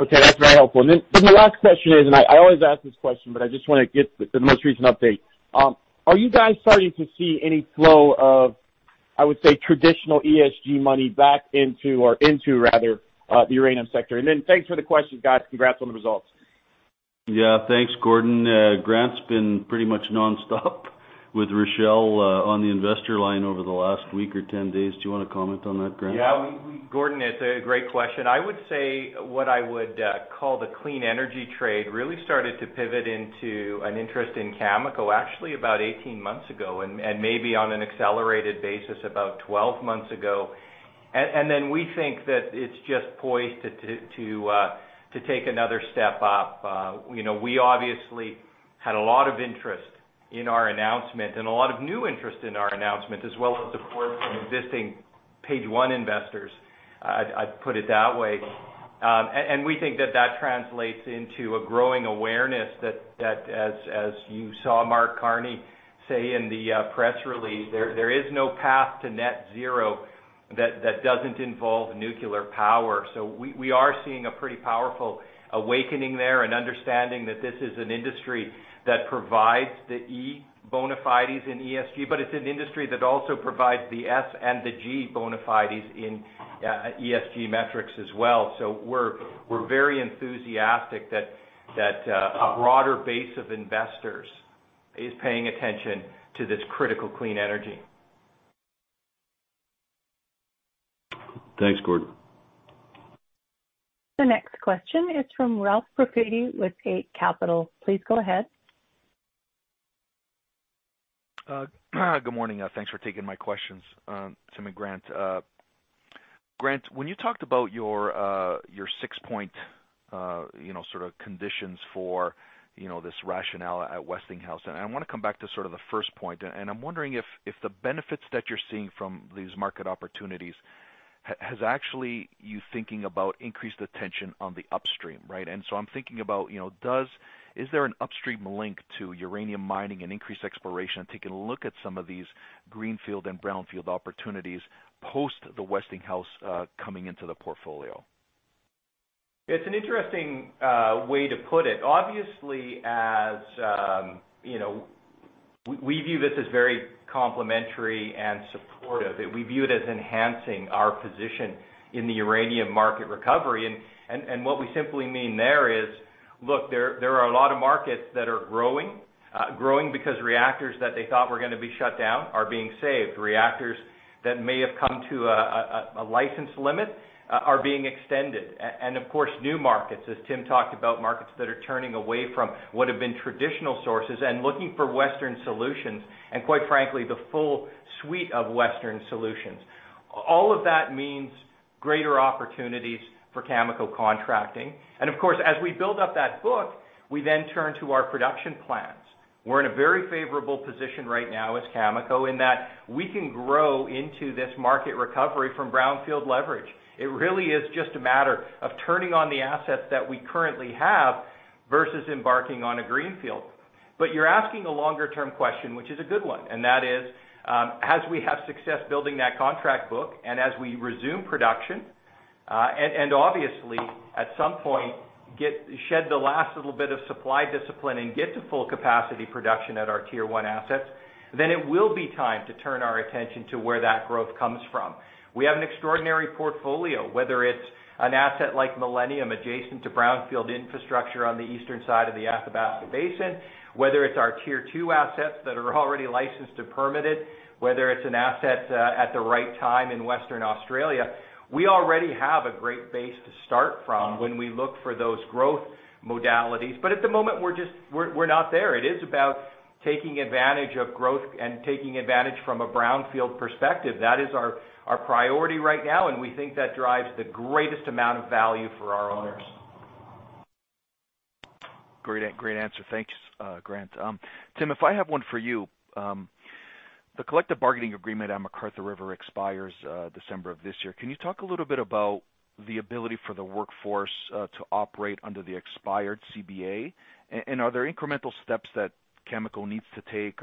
Okay. That's very helpful. The last question is, I always ask this question, but I just wanna get the most recent update. Are you guys starting to see any flow of, I would say, traditional ESG money back into, or into rather, the uranium sector? Thanks for the question, guys. Congrats on the results. Yeah. Thanks, Gordon. Grant's been pretty much nonstop with Rachelle on the investor line over the last week or 10 days. Do you wanna comment on that, Grant? Yeah. Gordon, it's a great question. I would say what I would call the clean energy trade really started to pivot into an interest in Cameco actually about 18 months ago, and maybe on an accelerated basis about 12 months ago. We think that it's just poised to take another step up. You know, we obviously had a lot of interest in our announcement and a lot of new interest in our announcement, as well as support from existing Page One investors. I'd put it that way. We think that that translates into a growing awareness that, as you saw Mark Carney say in the press release, there is no path to net zero that doesn't involve nuclear power. We are seeing a pretty powerful awakening there and understanding that this is an industry that provides the E bona fides in ESG, but it's an industry that also provides the S and the G bona fides in ESG metrics as well. We're very enthusiastic that a broader base of investors is paying attention to this critical clean energy. Thanks, Gordon. The next question is from Ralph Profiti with Eight Capital. Please go ahead. Good morning. Thanks for taking my questions, Tim and Grant. Grant, when you talked about your 6-point, you know, sort of conditions for, you know, this rationale at Westinghouse. I want to come back to sort of the first point, and I'm wondering if the benefits that you're seeing from these market opportunities has actually got you thinking about increased attention on the upstream, right? I'm thinking about, you know, is there an upstream link to uranium mining and increased exploration, taking a look at some of these greenfield and brownfield opportunities post the Westinghouse coming into the portfolio? It's an interesting way to put it. Obviously, as you know, we view this as very complementary and supportive. We view it as enhancing our position in the uranium market recovery. What we simply mean there is, look, there are a lot of markets that are growing because reactors that they thought were gonna be shut down are being saved. Reactors that may have come to a licensed limit are being extended. Of course, new markets, as Tim talked about, markets that are turning away from what have been traditional sources and looking for Western solutions, and quite frankly, the full suite of Western solutions. All of that means greater opportunities for Cameco contracting. Of course, as we build up that book, we then turn to our production plans. We're in a very favorable position right now as Cameco in that we can grow into this market recovery from brownfield leverage. It really is just a matter of turning on the assets that we currently have versus embarking on a greenfield. You're asking a longer-term question, which is a good one, and that is, as we have success building that contract book and as we resume production, and obviously at some point, shed the last little bit of supply discipline and get to full capacity production at our Tier 1 assets, then it will be time to turn our attention to where that growth comes from. We have an extraordinary portfolio, whether it's an asset like Millennium, adjacent to brownfield infrastructure on the eastern side of the Athabasca Basin, whether it's our Tier 2 assets that are already licensed and permitted, whether it's an asset at the right time in Western Australia. We already have a great base to start from when we look for those growth modalities. At the moment, we're just not there. It is about taking advantage of growth and taking advantage from a brownfield perspective. That is our priority right now, and we think that drives the greatest amount of value for our owners. Great answer. Thanks, Grant. Tim, I have one for you. The collective bargaining agreement at McArthur River expires December of this year. Can you talk a little bit about the ability for the workforce to operate under the expired CBA? Are there incremental steps that Cameco needs to take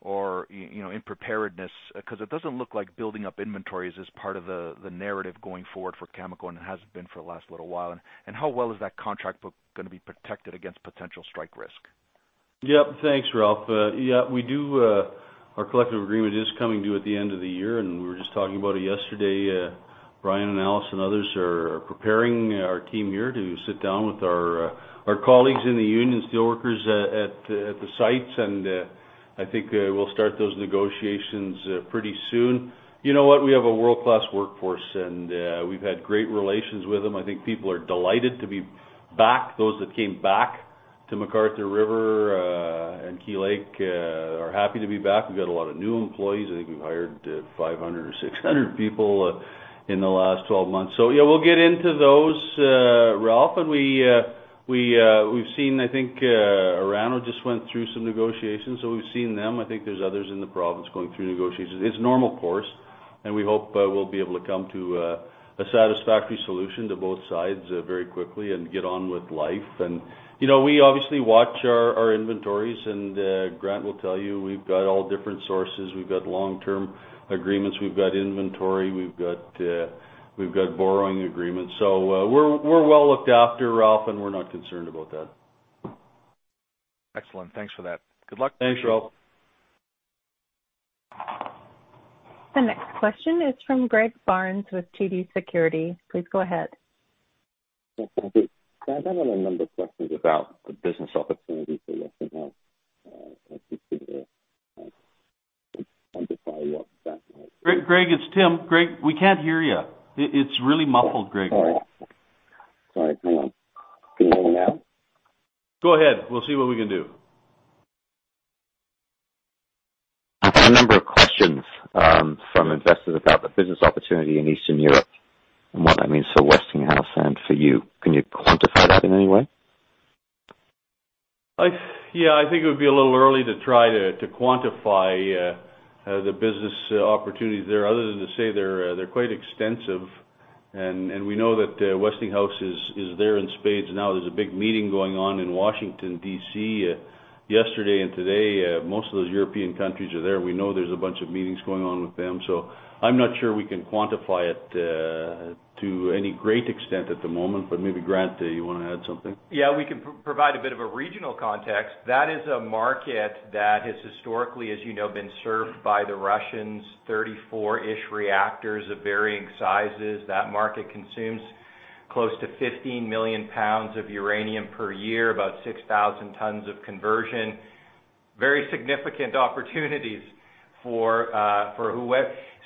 or you know in preparedness? 'Cause it doesn't look like building up inventories is part of the narrative going forward for Cameco, and it hasn't been for the last little while. How well is that contract book gonna be protected against potential strike risk? Yep. Thanks, Ralph. Yeah, we do, our collective agreement is coming due at the end of the year, and we were just talking about it yesterday. Brian and Alice and others are preparing our team here to sit down with our colleagues in the United Steelworkers at the sites. I think we'll start those negotiations pretty soon. You know what? We have a world-class workforce, and we've had great relations with them. I think people are delighted to be back. Those that came back to McArthur River and Key Lake are happy to be back. We've got a lot of new employees. I think we've hired 500 or 600 people in the last 12 months. Yeah, we'll get into those, Ralph. We've seen I think Orano just went through some negotiations, so we've seen them. I think there's others in the province going through negotiations. It's normal course, and we hope we'll be able to come to a satisfactory solution to both sides very quickly and get on with life. You know, we obviously watch our inventories, and Grant will tell you we've got all different sources. We've got long-term agreements. We've got inventory. We've got borrowing agreements. We're well looked after, Ralph, and we're not concerned about that. Excellent. Thanks for that. Good luck. Thanks, Ralph. The next question is from Greg Barnes with TD Securities. Please go ahead. Yeah, thank you. I have a number of questions about the business opportunities at Westinghouse, if you could quantify what that might be? Greg, it's Tim. Greg, we can't hear you. It's really muffled, Greg. Sorry, hang on. Can you hear me now? Go ahead. We'll see what we can do. I've got a number of questions, from investors about the business opportunity in Eastern Europe and what that means for Westinghouse and for you. Can you quantify that in any way? Yeah, I think it would be a little early to try to quantify the business opportunities there other than to say they're quite extensive. We know that Westinghouse is there in spades now. There's a big meeting going on in Washington, D.C., yesterday and today. Most of those European countries are there. We know there's a bunch of meetings going on with them. I'm not sure we can quantify it to any great extent at the moment, but maybe, Grant, you wanna add something? Yeah, we can provide a bit of a regional context. That is a market that has historically, as you know, been served by the Russians, 34-ish reactors of varying sizes. That market consumes close to 15 million pounds of uranium per year, about 6,000 tons of conversion. Very significant opportunities.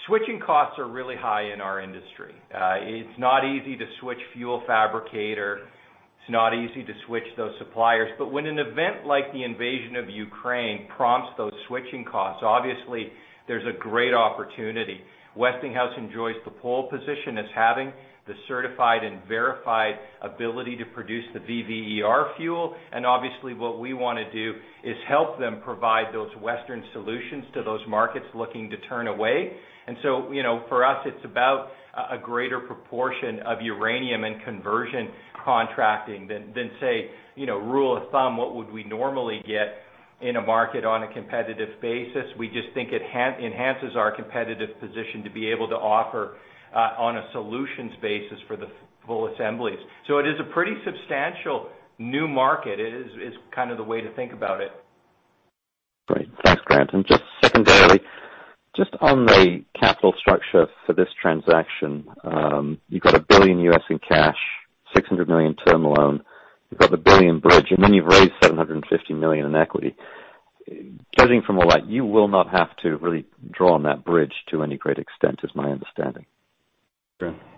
Switching costs are really high in our industry. It's not easy to switch fuel fabricator. It's not easy to switch those suppliers, but when an event like the invasion of Ukraine prompts those switching costs, obviously there's a great opportunity. Westinghouse enjoys the pole position as having the certified and verified ability to produce the VVER fuel. Obviously what we wanna do is help them provide those Western solutions to those markets looking to turn away. You know, for us, it's about a greater proportion of uranium and conversion contracting than say, you know, rule of thumb, what would we normally get in a market on a competitive basis. We just think it enhances our competitive position to be able to offer, on a solutions basis for the full assemblies. It is a pretty substantial new market kind of the way to think about it. Great. Thanks, Grant. Just secondarily, just on the capital structure for this transaction, you've got $1 billion in cash, $600 million term loan, you've got the $1 billion bridge, and then you've raised $750 million in equity. Gathering from all that, you will not have to really draw on that bridge to any great extent, is my understanding.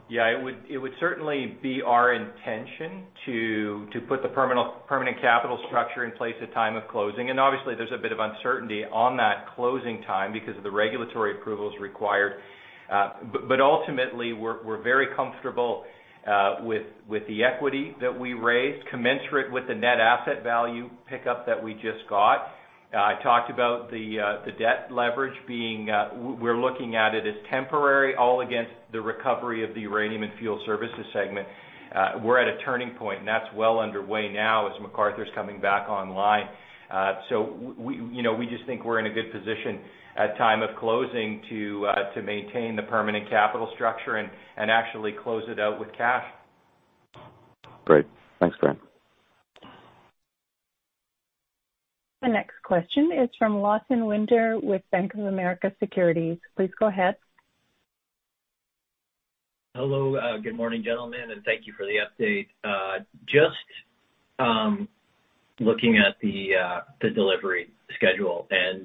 Yeah. It would certainly be our intention to put the permanent capital structure in place at time of closing. Obviously, there's a bit of uncertainty on that closing time because of the regulatory approvals required. Ultimately we're very comfortable with the equity that we raised commensurate with the net asset value pickup that we just got. I talked about the debt leverage being temporary all against the recovery of the uranium and fuel services segment. We're at a turning point, and that's well underway now as McArthur's coming back online. We, you know, we just think we're in a good position at time of closing to maintain the permanent capital structure and actually close it out with cash. Great. Thanks, Grant. The next question is from Lawson Winder with Bank of America Securities. Please go ahead. Hello. Good morning, gentlemen, and thank you for the update. Just looking at the delivery schedule and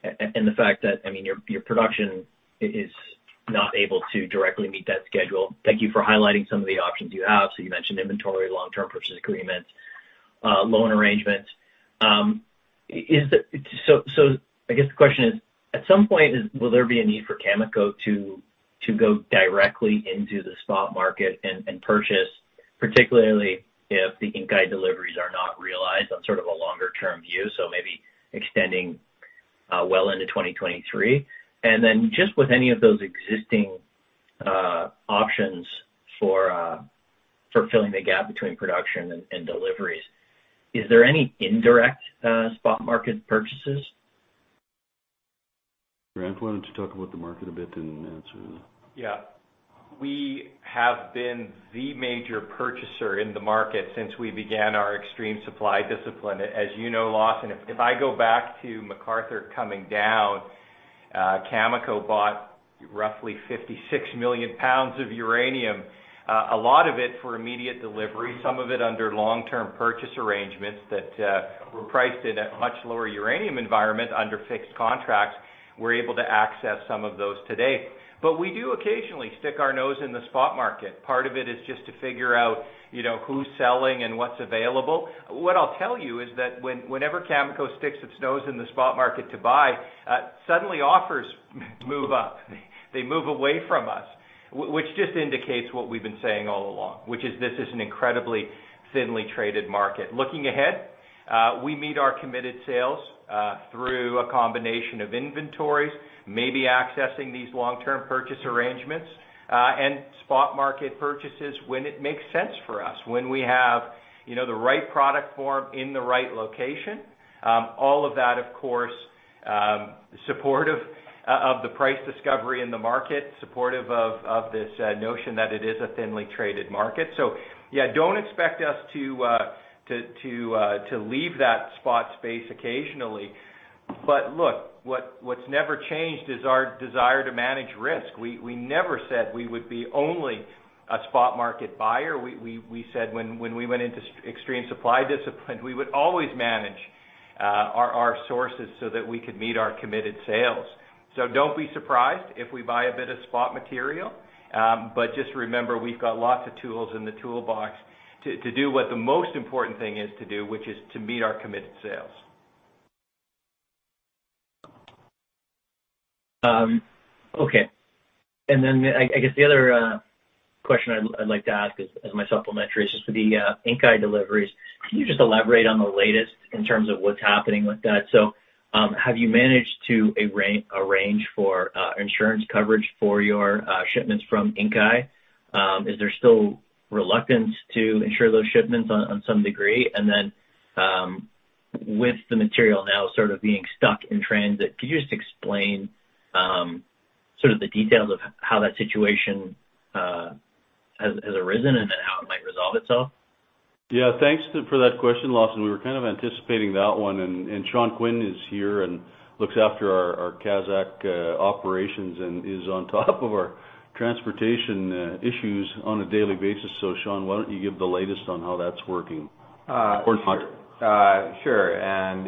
the fact that, I mean, your production is not able to directly meet that schedule. Thank you for highlighting some of the options you have. You mentioned inventory, long-term purchase agreements, loan arrangements. I guess the question is, at some point, will there be a need for Cameco to go directly into the spot market and purchase, particularly if the Inkai deliveries are not realized on sort of a longer term view, so maybe extending well into 2023? Just with any of those existing options for filling the gap between production and deliveries, is there any indirect spot market purchases? Grant, why don't you talk about the market a bit and answer that? Yeah. We have been the major purchaser in the market since we began our extreme supply discipline. As you know, Lawson, if I go back to McArthur coming down, Cameco bought roughly 56 million lbs of uranium, a lot of it for immediate delivery, some of it under long-term purchase arrangements that were priced in a much lower uranium environment under fixed contracts. We're able to access some of those today. We do occasionally stick our nose in the spot market. Part of it is just to figure out, you know, who's selling and what's available. What I'll tell you is that whenever Cameco sticks its nose in the spot market to buy, suddenly offers move up. They move away from us, which just indicates what we've been saying all along, which is this is an incredibly thinly traded market. Looking ahead, we meet our committed sales through a combination of inventories, maybe accessing these long-term purchase arrangements, and spot market purchases when it makes sense for us, when we have, you know, the right product form in the right location. All of that, of course, supportive of the price discovery in the market, supportive of this notion that it is a thinly traded market. Yeah, don't expect us to leave that spot space occasionally. Look, what's never changed is our desire to manage risk. We never said we would be only a spot market buyer. We said when we went into extreme supply discipline, we would always manage our sources so that we could meet our committed sales. Don't be surprised if we buy a bit of spot material, but just remember, we've got lots of tools in the toolbox to do what the most important thing is to do, which is to meet our committed sales. Okay. I guess the other question I'd like to ask as my supplementary is just for the Inkai deliveries. Can you just elaborate on the latest in terms of what's happening with that? Have you managed to arrange for insurance coverage for your shipments from Inkai? Is there still reluctance to insure those shipments on some degree? With the material now sort of being stuck in transit, could you just explain sort of the details of how that situation has arisen and then how it might resolve itself? Yeah. Thanks for that question, Lawson. We were kind of anticipating that one, and Sean Quinn is here and looks after our Kazakh operations and is on top of our transportation issues on a daily basis. Sean, why don't you give the latest on how that's working? Sure.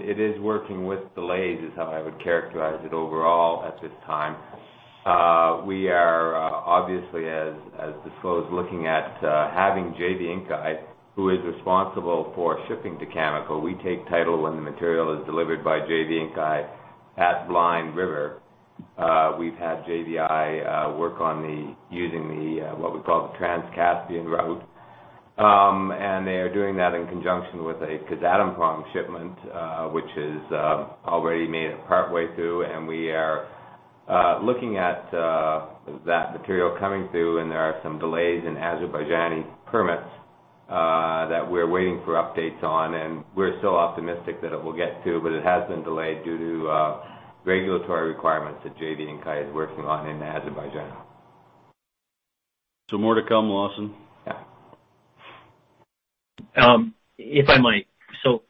It is working with delays, is how I would characterize it overall at this time. We are obviously, as disclosed, looking at having JV Inkai, who is responsible for shipping to Cameco. We take title when the material is delivered by JV Inkai at Blind River. We've had JVI work on using the what we call the Trans-Caspian route. They are doing that in conjunction with a Kazatomprom shipment, which is already made it partway through, and we are looking at that material coming through, and there are some delays in Azerbaijani permits that we're waiting for updates on. We're still optimistic that it will get to, but it has been delayed due to regulatory requirements that JV Inkai is working on in Azerbaijan. More to come, Lawson? Yeah. If I might.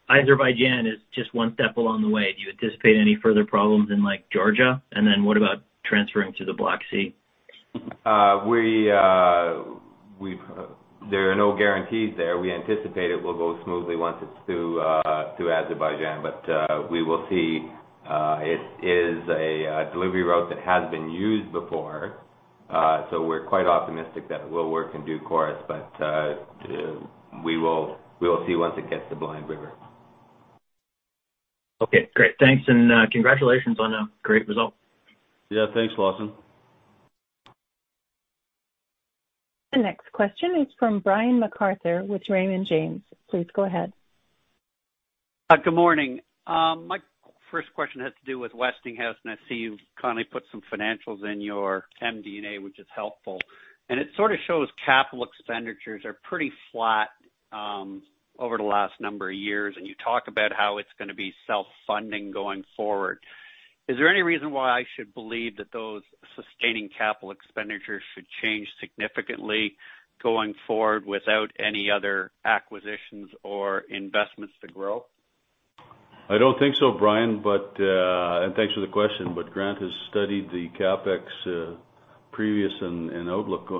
Azerbaijan is just one step along the way. Do you anticipate any further problems in, like, Georgia? Then what about transferring to the Black Sea? There are no guarantees there. We anticipate it will go smoothly once it's through Azerbaijan, but we will see. It is a delivery route that has been used before, so we're quite optimistic that it will work in due course. We will see once it gets to Blind River. Okay, great. Thanks, and, congratulations on a great result. Yeah, thanks, Lawson. The next question is from Brian MacArthur with Raymond James. Please go ahead. Good morning. My first question has to do with Westinghouse, and I see you've kindly put some financials in your MD&A, which is helpful. It sort of shows capital expenditures are pretty flat over the last number of years, and you talk about how it's gonna be self-funding going forward. Is there any reason why I should believe that those sustaining capital expenditures should change significantly going forward without any other acquisitions or investments to grow? I don't think so, Brian, but thanks for the question, but Grant has studied the CapEx, previous and outlook,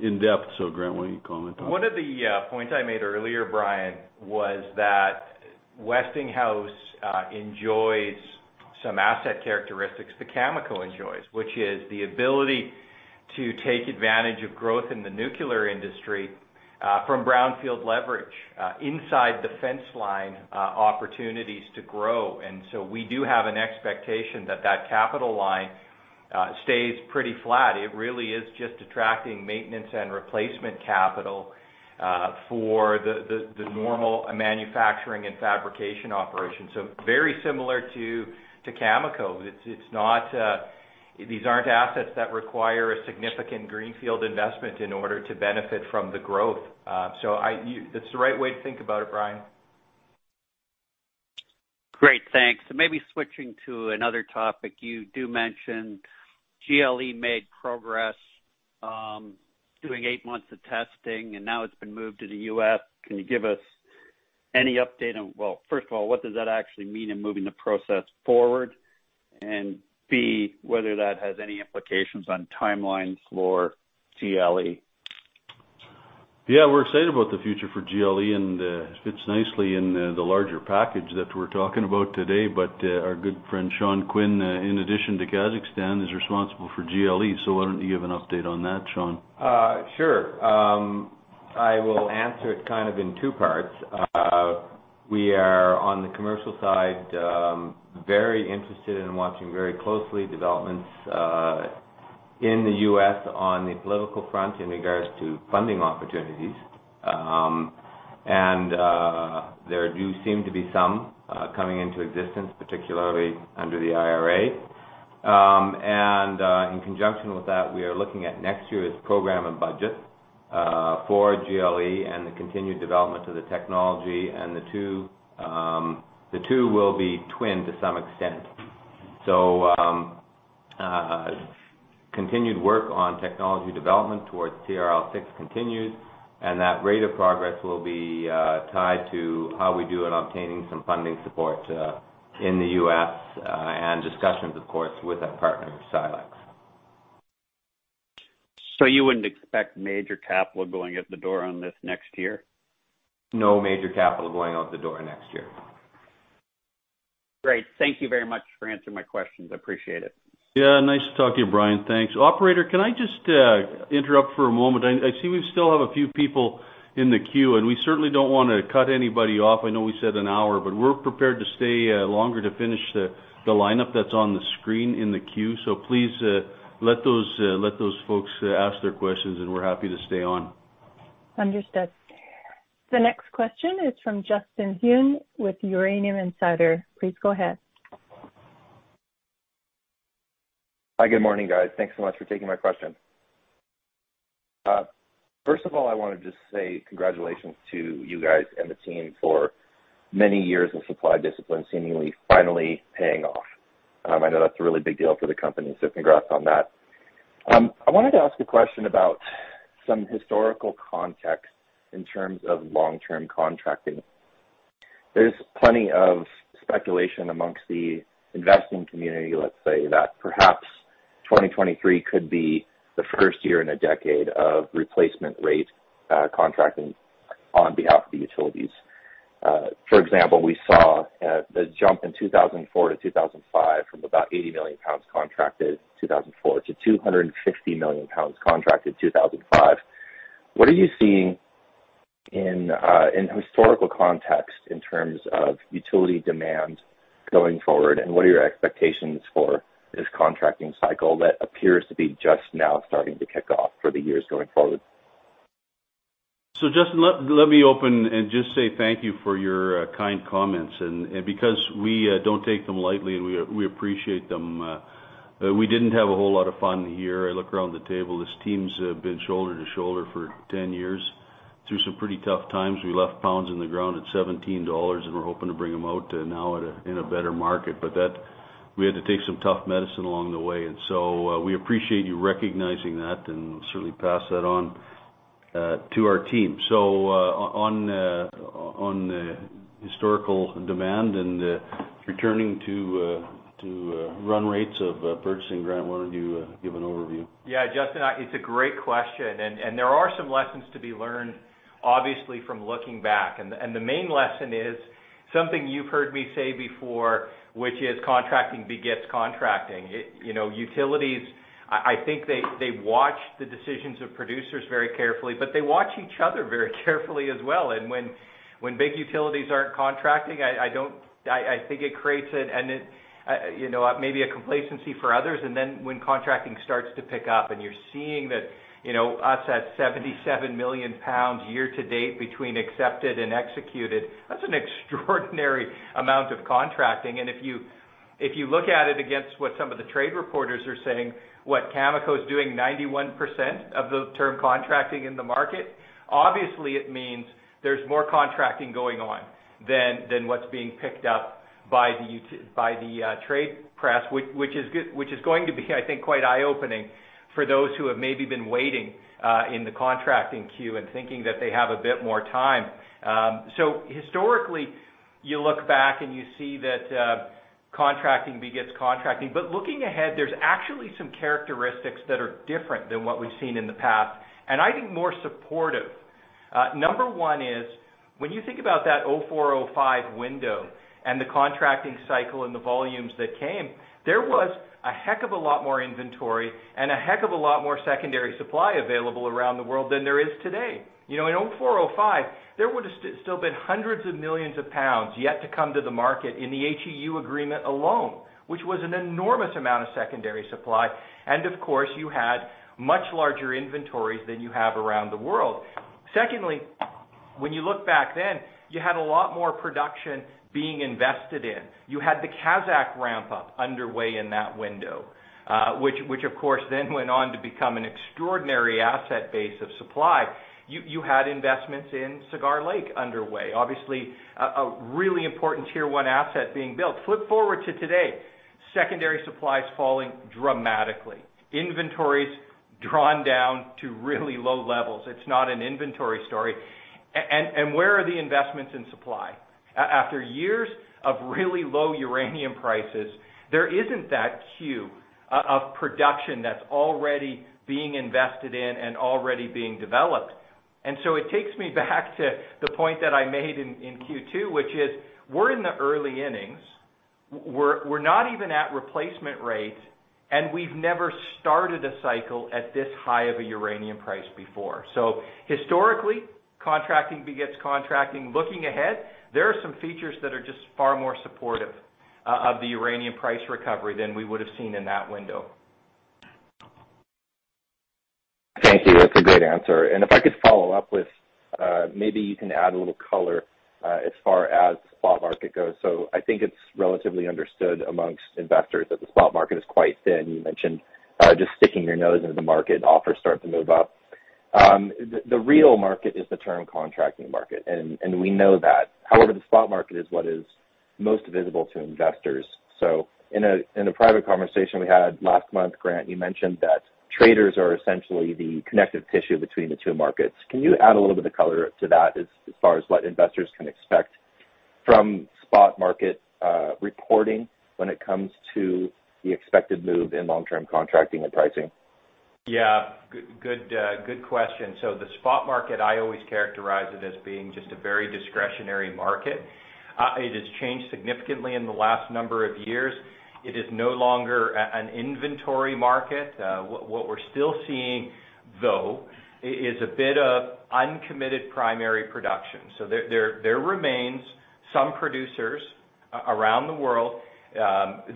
in depth. Grant, why don't you comment on it? One of the points I made earlier, Brian, was that Westinghouse enjoys some asset characteristics that Cameco enjoys, which is the ability to take advantage of growth in the nuclear industry from brownfield leverage inside the fence line opportunities to grow. We do have an expectation that that capital line stays pretty flat. It really is just attracting maintenance and replacement capital for the normal manufacturing and fabrication operations. Very similar to Cameco. It's not these aren't assets that require a significant greenfield investment in order to benefit from the growth. That's the right way to think about it, Brian. Great. Thanks. Maybe switching to another topic, you do mention GLE made progress doing eight months of testing, and now it's been moved to the U.S. Can you give us any update? Well, first of all, what does that actually mean in moving the process forward? And B, whether that has any implications on timelines for GLE. Yeah. We're excited about the future for GLE, and it fits nicely in the larger package that we're talking about today. Our good friend, Sean Quinn, in addition to Kazakhstan, is responsible for GLE. Why don't you give an update on that, Sean? Sure. I will answer it kind of in two parts. We are, on the commercial side, very interested in watching very closely developments in the U.S. on the political front in regards to funding opportunities. There do seem to be some coming into existence, particularly under the IRA. In conjunction with that, we are looking at next year's program and budget for GLE and the continued development of the technology and the two will be twinned to some extent. Continued work on technology development towards TRL-6 continues, and that rate of progress will be tied to how we do in obtaining some funding support in the U.S., and discussions, of course, with our partner, Silex. You wouldn't expect major capital going out the door on this next year? No major capital going out the door next year. Great. Thank you very much for answering my questions. I appreciate it. Yeah, nice talking to you, Brian. Thanks. Operator, can I just interrupt for a moment? I see we still have a few people in the queue, and we certainly don't wanna cut anybody off. I know we said an hour, but we're prepared to stay longer to finish the lineup that's on the screen in the queue. Please let those folks ask their questions, and we're happy to stay on. Understood. The next question is from Justin Huhn with Uranium Insider. Please go ahead. Hi. Good morning, guys. Thanks so much for taking my question. First of all, I wanna just say congratulations to you guys and the team for many years of supply discipline seemingly finally paying off. I know that's a really big deal for the company, so congrats on that. I wanted to ask a question about some historical context in terms of long-term contracting. There's plenty of speculation among the investing community, let's say, that perhaps 2023 could be the first year in a decade of replacement rate contracting on behalf of the utilities. For example, we saw the jump in 2004 to 2005 from about 80 million pounds contracted 2004 to 250 million lbs contracted 2005. What are you seeing in historical context in terms of utility demand going forward? What are your expectations for this contracting cycle that appears to be just now starting to kick off for the years going forward? Justin, let me open and just say thank you for your kind comments. Because we don't take them lightly, and we appreciate them. We didn't have a whole lot of fun here. I look around the table. This team's been shoulder to shoulder for 10 years through some pretty tough times. We left pounds in the ground at $17, and we're hoping to bring them out now in a better market. But we had to take some tough medicine along the way. We appreciate you recognizing that, and we'll certainly pass that on to our team. On historical demand and returning to run rates of purchasing, Grant, why don't you give an overview? Yeah, Justin, it's a great question. There are some lessons to be learned, obviously, from looking back. The main lesson is something you've heard me say before, which is contracting begets contracting. You know, utilities, I think they watch the decisions of producers very carefully, but they watch each other very carefully as well. When big utilities aren't contracting, I think it creates, you know, maybe a complacency for others. When contracting starts to pick up and you're seeing that, you know, us at 77 million lbs year to date between accepted and executed, that's an extraordinary amount of contracting. If you look at it against what some of the trade reporters are saying, what Cameco is doing 91% of the term contracting in the market, obviously it means there's more contracting going on than what's being picked up by the trade press, which is good, which is going to be, I think, quite eye-opening for those who have maybe been waiting in the contracting queue and thinking that they have a bit more time. Historically, you look back and you see that contracting begets contracting. Looking ahead, there's actually some characteristics that are different than what we've seen in the past, and I think more supportive. Number one is when you think about that 2004, 2005 window and the contracting cycle and the volumes that came, there was a heck of a lot more inventory and a heck of a lot more secondary supply available around the world than there is today. You know, in 2004, 2005, there would've still been hundreds of millions of pounds yet to come to the market in the HEU agreement alone, which was an enormous amount of secondary supply. Of course, you had much larger inventories than you have around the world. Secondly, when you look back then, you had a lot more production being invested in. You had the Kazakh ramp up underway in that window, which of course then went on to become an extraordinary asset base of supply. You had investments in Cigar Lake underway, obviously a really important Tier 1 asset being built. Flip forward to today, secondary supply is falling dramatically. Inventories drawn down to really low levels. It's not an inventory story. Where are the investments in supply? After years of really low uranium prices, there isn't that queue of production that's already being invested in and already being developed. It takes me back to the point that I made in Q2, which is we're in the early innings. We're not even at replacement rates, and we've never started a cycle at this high of a uranium price before. Historically, contracting begets contracting. Looking ahead, there are some features that are just far more supportive of the uranium price recovery than we would have seen in that window. Thank you. That's a great answer. If I could follow up with, maybe you can add a little color, as far as spot market goes. I think it's relatively understood amongst investors that the spot market is quite thin. You mentioned just sticking your nose into the market, offers start to move up. The real market is the term contracting market, and we know that. However, the spot market is what is most visible to investors. In a private conversation we had last month, Grant, you mentioned that traders are essentially the connective tissue between the two markets. Can you add a little bit of color to that as far as what investors can expect from spot market reporting when it comes to the expected move in long-term contracting and pricing? Yeah. Good, good question. The spot market, I always characterize it as being just a very discretionary market. It has changed significantly in the last number of years. It is no longer an inventory market. What we're still seeing, though, is a bit of uncommitted primary production. There remains some producers around the world.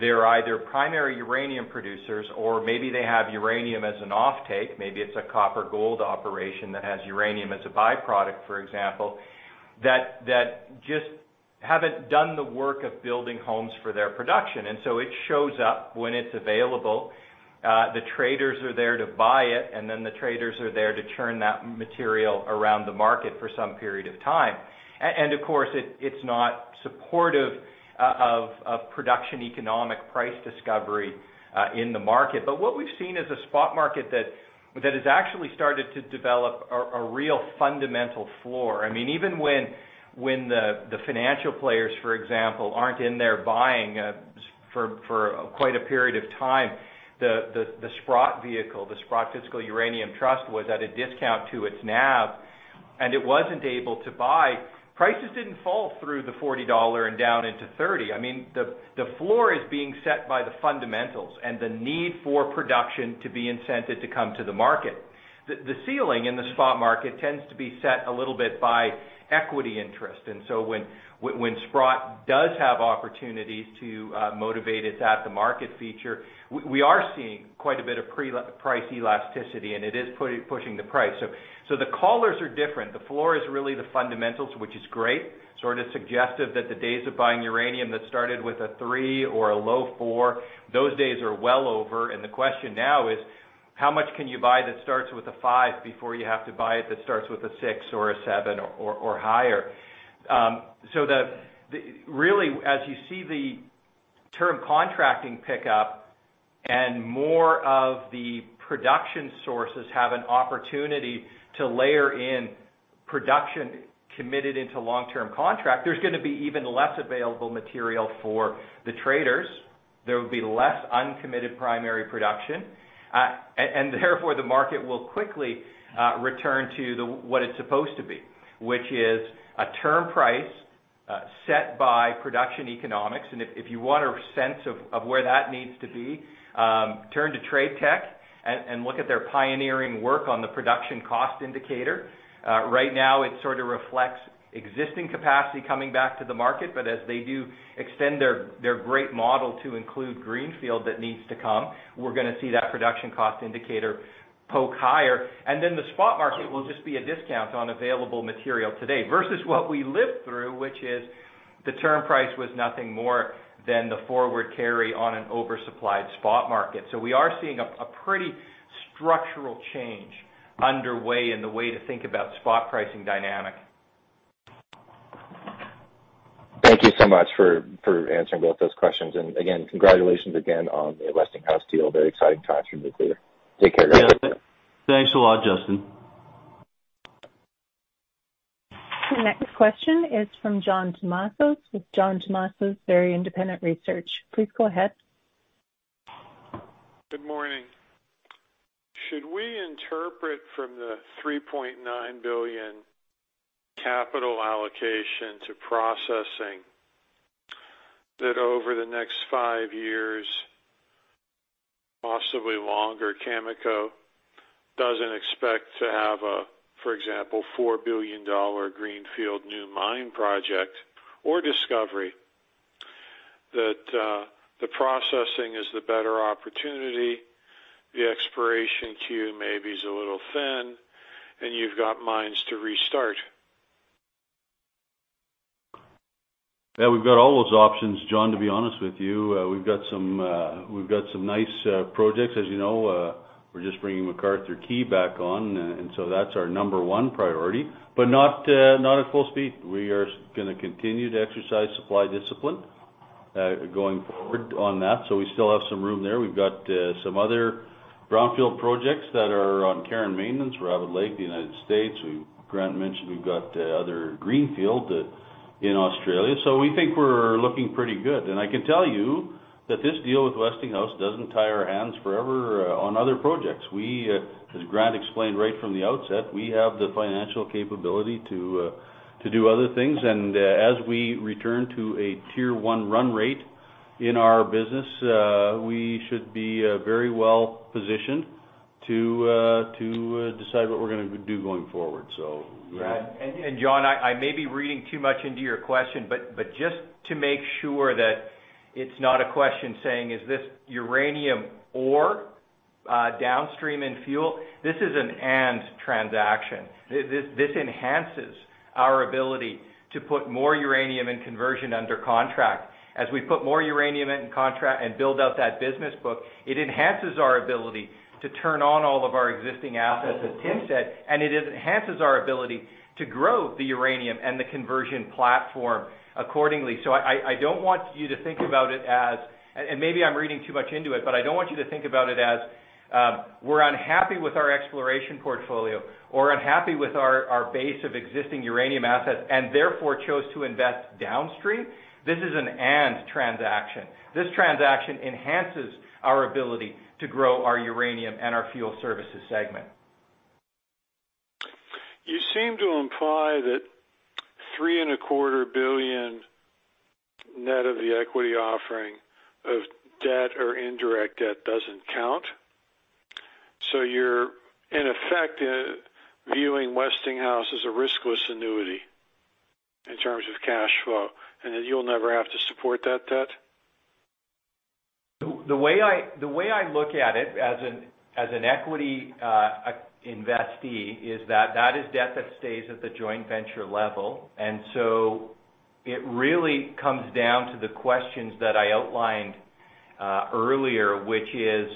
They're either primary uranium producers or maybe they have uranium as an offtake. Maybe it's a copper gold operation that has uranium as a byproduct, for example, that just haven't done the work of building homes for their production. It shows up when it's available. The traders are there to buy it, and then the traders are there to turn that material around the market for some period of time. Of course, it's not supportive of production economic price discovery in the market. What we've seen is a spot market that has actually started to develop a real fundamental floor. I mean, even when the financial players, for example, aren't in there buying for quite a period of time, the Sprott vehicle, the Sprott Physical Uranium Trust, was at a discount to its NAV. It wasn't able to buy. Prices didn't fall through the $40 and down into $30. I mean, the floor is being set by the fundamentals and the need for production to be incented to come to the market. The ceiling in the spot market tends to be set a little bit by equity interest. When Sprott does have opportunities to motivate its at the market feature, we are seeing quite a bit of price elasticity, and it is pushing the price. The colors are different. The floor is really the fundamentals, which is great, sort of suggestive that the days of buying uranium that started with a three or a low four, those days are well over. The question now is how much can you buy that starts with a five before you have to buy it that starts with a six or a seven or higher. Really, as you see the term contracting pickup and more of the production sources have an opportunity to layer in production committed into long-term contract, there's gonna be even less available material for the traders. There will be less uncommitted primary production. Therefore, the market will quickly return to what it's supposed to be, which is a term price set by production economics. If you want a sense of where that needs to be, turn to TradeTech and look at their pioneering work on the Production Cost Indicator. Right now, it sort of reflects existing capacity coming back to the market, but as they do extend their great model to include greenfield that needs to come, we're gonna see that Production Cost Indicator poke higher. Then the spot market will just be a discount on available material today versus what we lived through, which is the term price was nothing more than the forward carry on an oversupplied spot market. We are seeing a pretty structural change underway in the way to think about spot pricing dynamics. Thank you so much for answering both those questions. Again, congratulations again on the Westinghouse deal. Very exciting times for nuclear. Take care, guys. Yeah. Thanks a lot, Justin. The next question is from John Tumazos with John Tumazos Very Independent Research. Please go ahead. Good morning. Should we interpret from the $3.9 billion capital allocation to processing that over the next five years, possibly longer, Cameco doesn't expect to have a, for example, $4 billion greenfield new mine project or discovery, that the processing is the better opportunity, the exploration queue maybe is a little thin, and you've got mines to restart? Yeah, we've got all those options, John, to be honest with you. We've got some nice projects. As you know, we're just bringing McArthur River back on, and so that's our number one priority, but not at full speed. We're gonna continue to exercise supply discipline going forward on that. So we still have some room there. We've got some other brownfield projects that are on care and maintenance, Rabbit Lake, the United States. Grant mentioned we've got other greenfield in Australia. So we think we're looking pretty good. I can tell you that this deal with Westinghouse doesn't tie our hands forever on other projects. We, as Grant explained right from the outset, have the financial capability to do other things. As we return to a Tier 1 run rate in our business, we should be very well positioned to decide what we're gonna do going forward so. Yeah. John, I may be reading too much into your question, but just to make sure that it's not a question saying, is this uranium or downstream in fuel? This is an and transaction. This enhances our ability to put more uranium and conversion under contract. As we put more uranium in contract and build out that business book, it enhances our ability to turn on all of our existing assets, as Tim said, and it enhances our ability to grow the uranium and the conversion platform accordingly. I don't want you to think about it as. Maybe I'm reading too much into it, but I don't want you to think about it as, we're unhappy with our exploration portfolio or unhappy with our base of existing uranium assets and therefore chose to invest downstream. This is an M&A transaction. This transaction enhances our ability to grow our uranium and our fuel services segment. You seem to imply that $3.25 billion net of the equity offering of debt or indirect debt doesn't count. You're, in effect, viewing Westinghouse as a riskless annuity in terms of cash flow, and then you'll never have to support that debt? The way I look at it as an equity investor is that that is debt that stays at the joint venture level. It really comes down to the questions that I outlined earlier, which is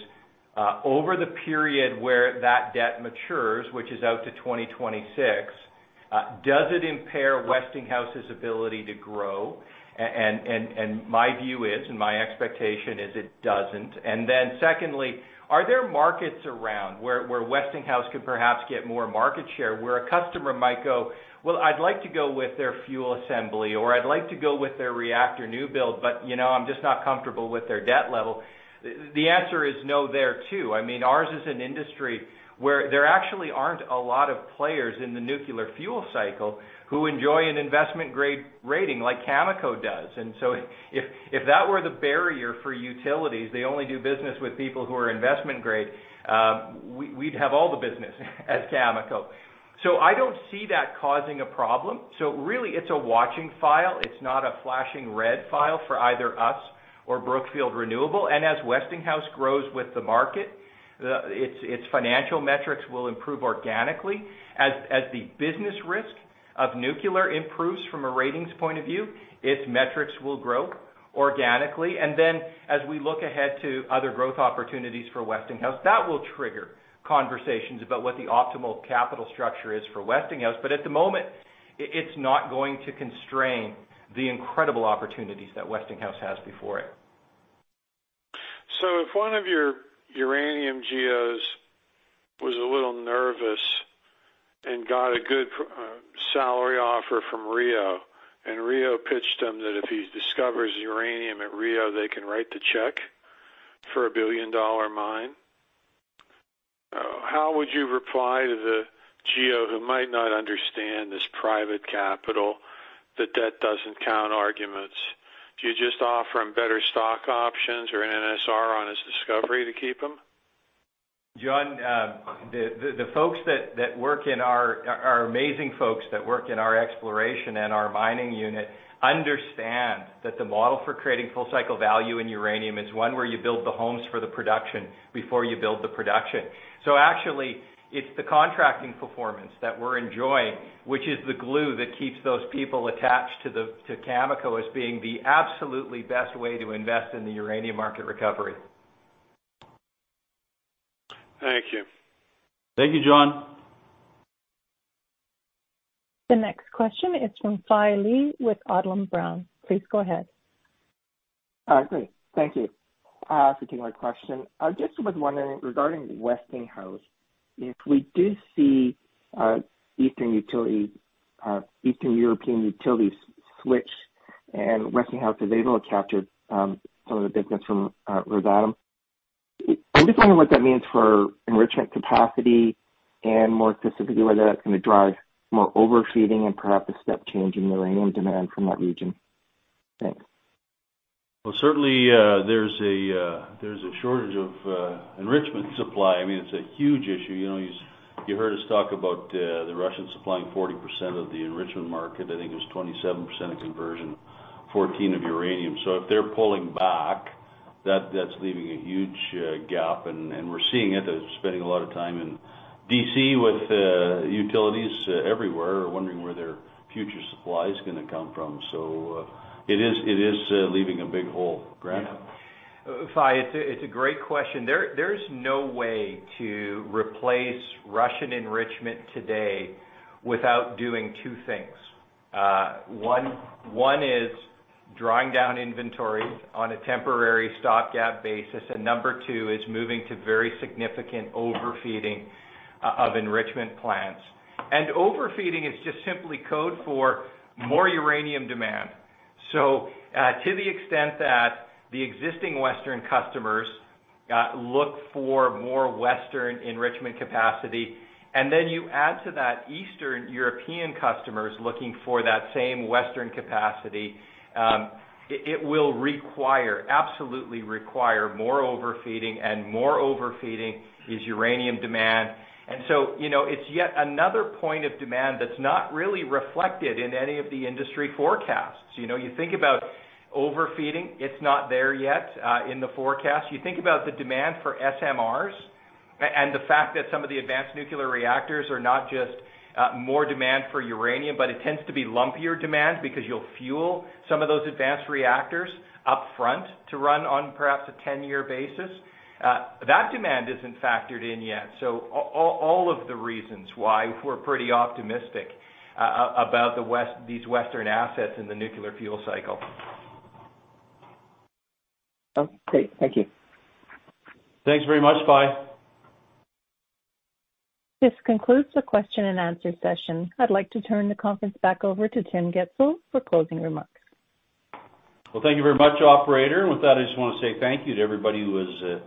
over the period where that debt matures, which is out to 2026, does it impair Westinghouse's ability to grow? My view is, and my expectation is it doesn't. Secondly, are there markets around where Westinghouse could perhaps get more market share, where a customer might go, Well, I'd like to go with their fuel assembly or I'd like to go with their reactor new build, but, you know, I'm just not comfortable with their debt level. The answer is no there too. I mean, ours is an industry where there actually aren't a lot of players in the nuclear fuel cycle who enjoy an investment-grade rating like Cameco does. If that were the barrier for utilities, they only do business with people who are investment grade, we'd have all the business at Cameco. I don't see that causing a problem. Really it's a watching file. It's not a flashing red file for either us or Brookfield Renewable. As Westinghouse grows with the market, its financial metrics will improve organically. As the business risk of nuclear improves from a ratings point of view, its metrics will grow organically. Then as we look ahead to other growth opportunities for Westinghouse, that will trigger conversations about what the optimal capital structure is for Westinghouse. At the moment, it's not going to constrain the incredible opportunities that Westinghouse has before it. If one of your uranium geos was a little nervous and got a good salary offer from Rio Tinto, and Rio Tinto pitched him that if he discovers uranium at Rio Tinto, they can write the check for a billion-dollar mine, how would you reply to the geo who might not understand this private capital, the debt doesn't count arguments? Do you just offer him better stock options or an NSR on his discovery to keep him? John, the folks that work in our amazing folks that work in our exploration and our mining unit understand that the model for creating full cycle value in uranium is one where you build the homes for the production before you build the production. Actually, it's the contracting performance that we're enjoying, which is the glue that keeps those people attached to Cameco as being the absolutely best way to invest in the uranium market recovery. Thank you. Thank you, John. The next question is from Fai Lee with Odlum Brown. Please go ahead. Great. Thank you for taking my question. I just was wondering regarding Westinghouse, if we do see Eastern European utilities switch and Westinghouse is able to capture some of the business from Rosatom. I'm just wondering what that means for enrichment capacity and more specifically, whether that's going to drive more overfeeding and perhaps a step change in uranium demand from that region. Thanks. Well, certainly, there's a shortage of enrichment supply. I mean, it's a huge issue. You know, you heard us talk about the Russians supplying 40% of the enrichment market. I think it was 27% of conversion, 14% of uranium. If they're pulling back, that's leaving a huge gap, and we're seeing it, as we spend a lot of time in D.C. with utilities everywhere, wondering where their future supply is gonna come from. It is leaving a big hole. Grant? Fai, it's a great question. There is no way to replace Russian enrichment today without doing two things. One is drawing down inventory on a temporary stopgap basis. Number two is moving to very significant overfeeding of enrichment plants. Overfeeding is just simply code for more uranium demand. To the extent that the existing Western customers look for more Western enrichment capacity, and then you add to that Eastern European customers looking for that same Western capacity, it will require absolutely require more overfeeding, and more overfeeding is uranium demand. You know, it's yet another point of demand that's not really reflected in any of the industry forecasts. You know, you think about overfeeding, it's not there yet in the forecast. You think about the demand for SMRs and the fact that some of the advanced nuclear reactors are not just more demand for uranium, but it tends to be lumpier demand because you'll fuel some of those advanced reactors upfront to run on perhaps a ten-year basis. That demand isn't factored in yet. All of the reasons why we're pretty optimistic about these Western assets in the nuclear fuel cycle. Okay, thank you. Thanks very much, Fai. This concludes the question and answer session. I'd like to turn the conference back over to Tim Gitzel for closing remarks. Well, thank you very much, operator. With that, I just want to say thank you to everybody who has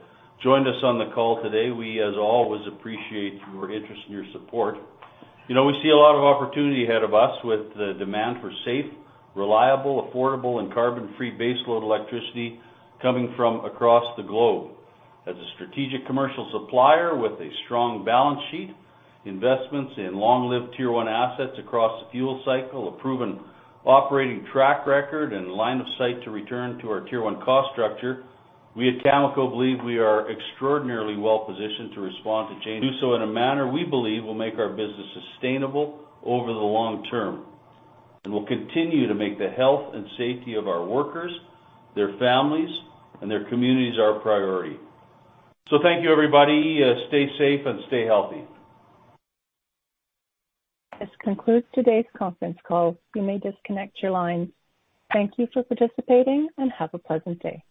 joined us on the call today. We, as always, appreciate your interest and your support. You know, we see a lot of opportunity ahead of us with the demand for safe, reliable, affordable, and carbon-free baseload electricity coming from across the globe. As a strategic commercial supplier with a strong balance sheet, investments in long-lived Tier 1 assets across the fuel cycle, a proven operating track record, and line of sight to return to our Tier 1 cost structure, we at Cameco believe we are extraordinarily well-positioned to respond to change and do so in a manner we believe will make our business sustainable over the long term. We'll continue to make the health and safety of our workers, their families, and their communities our priority. Thank you, everybody. Stay safe and stay healthy. This concludes today's conference call. You may disconnect your lines. Thank you for participating, and have a pleasant day.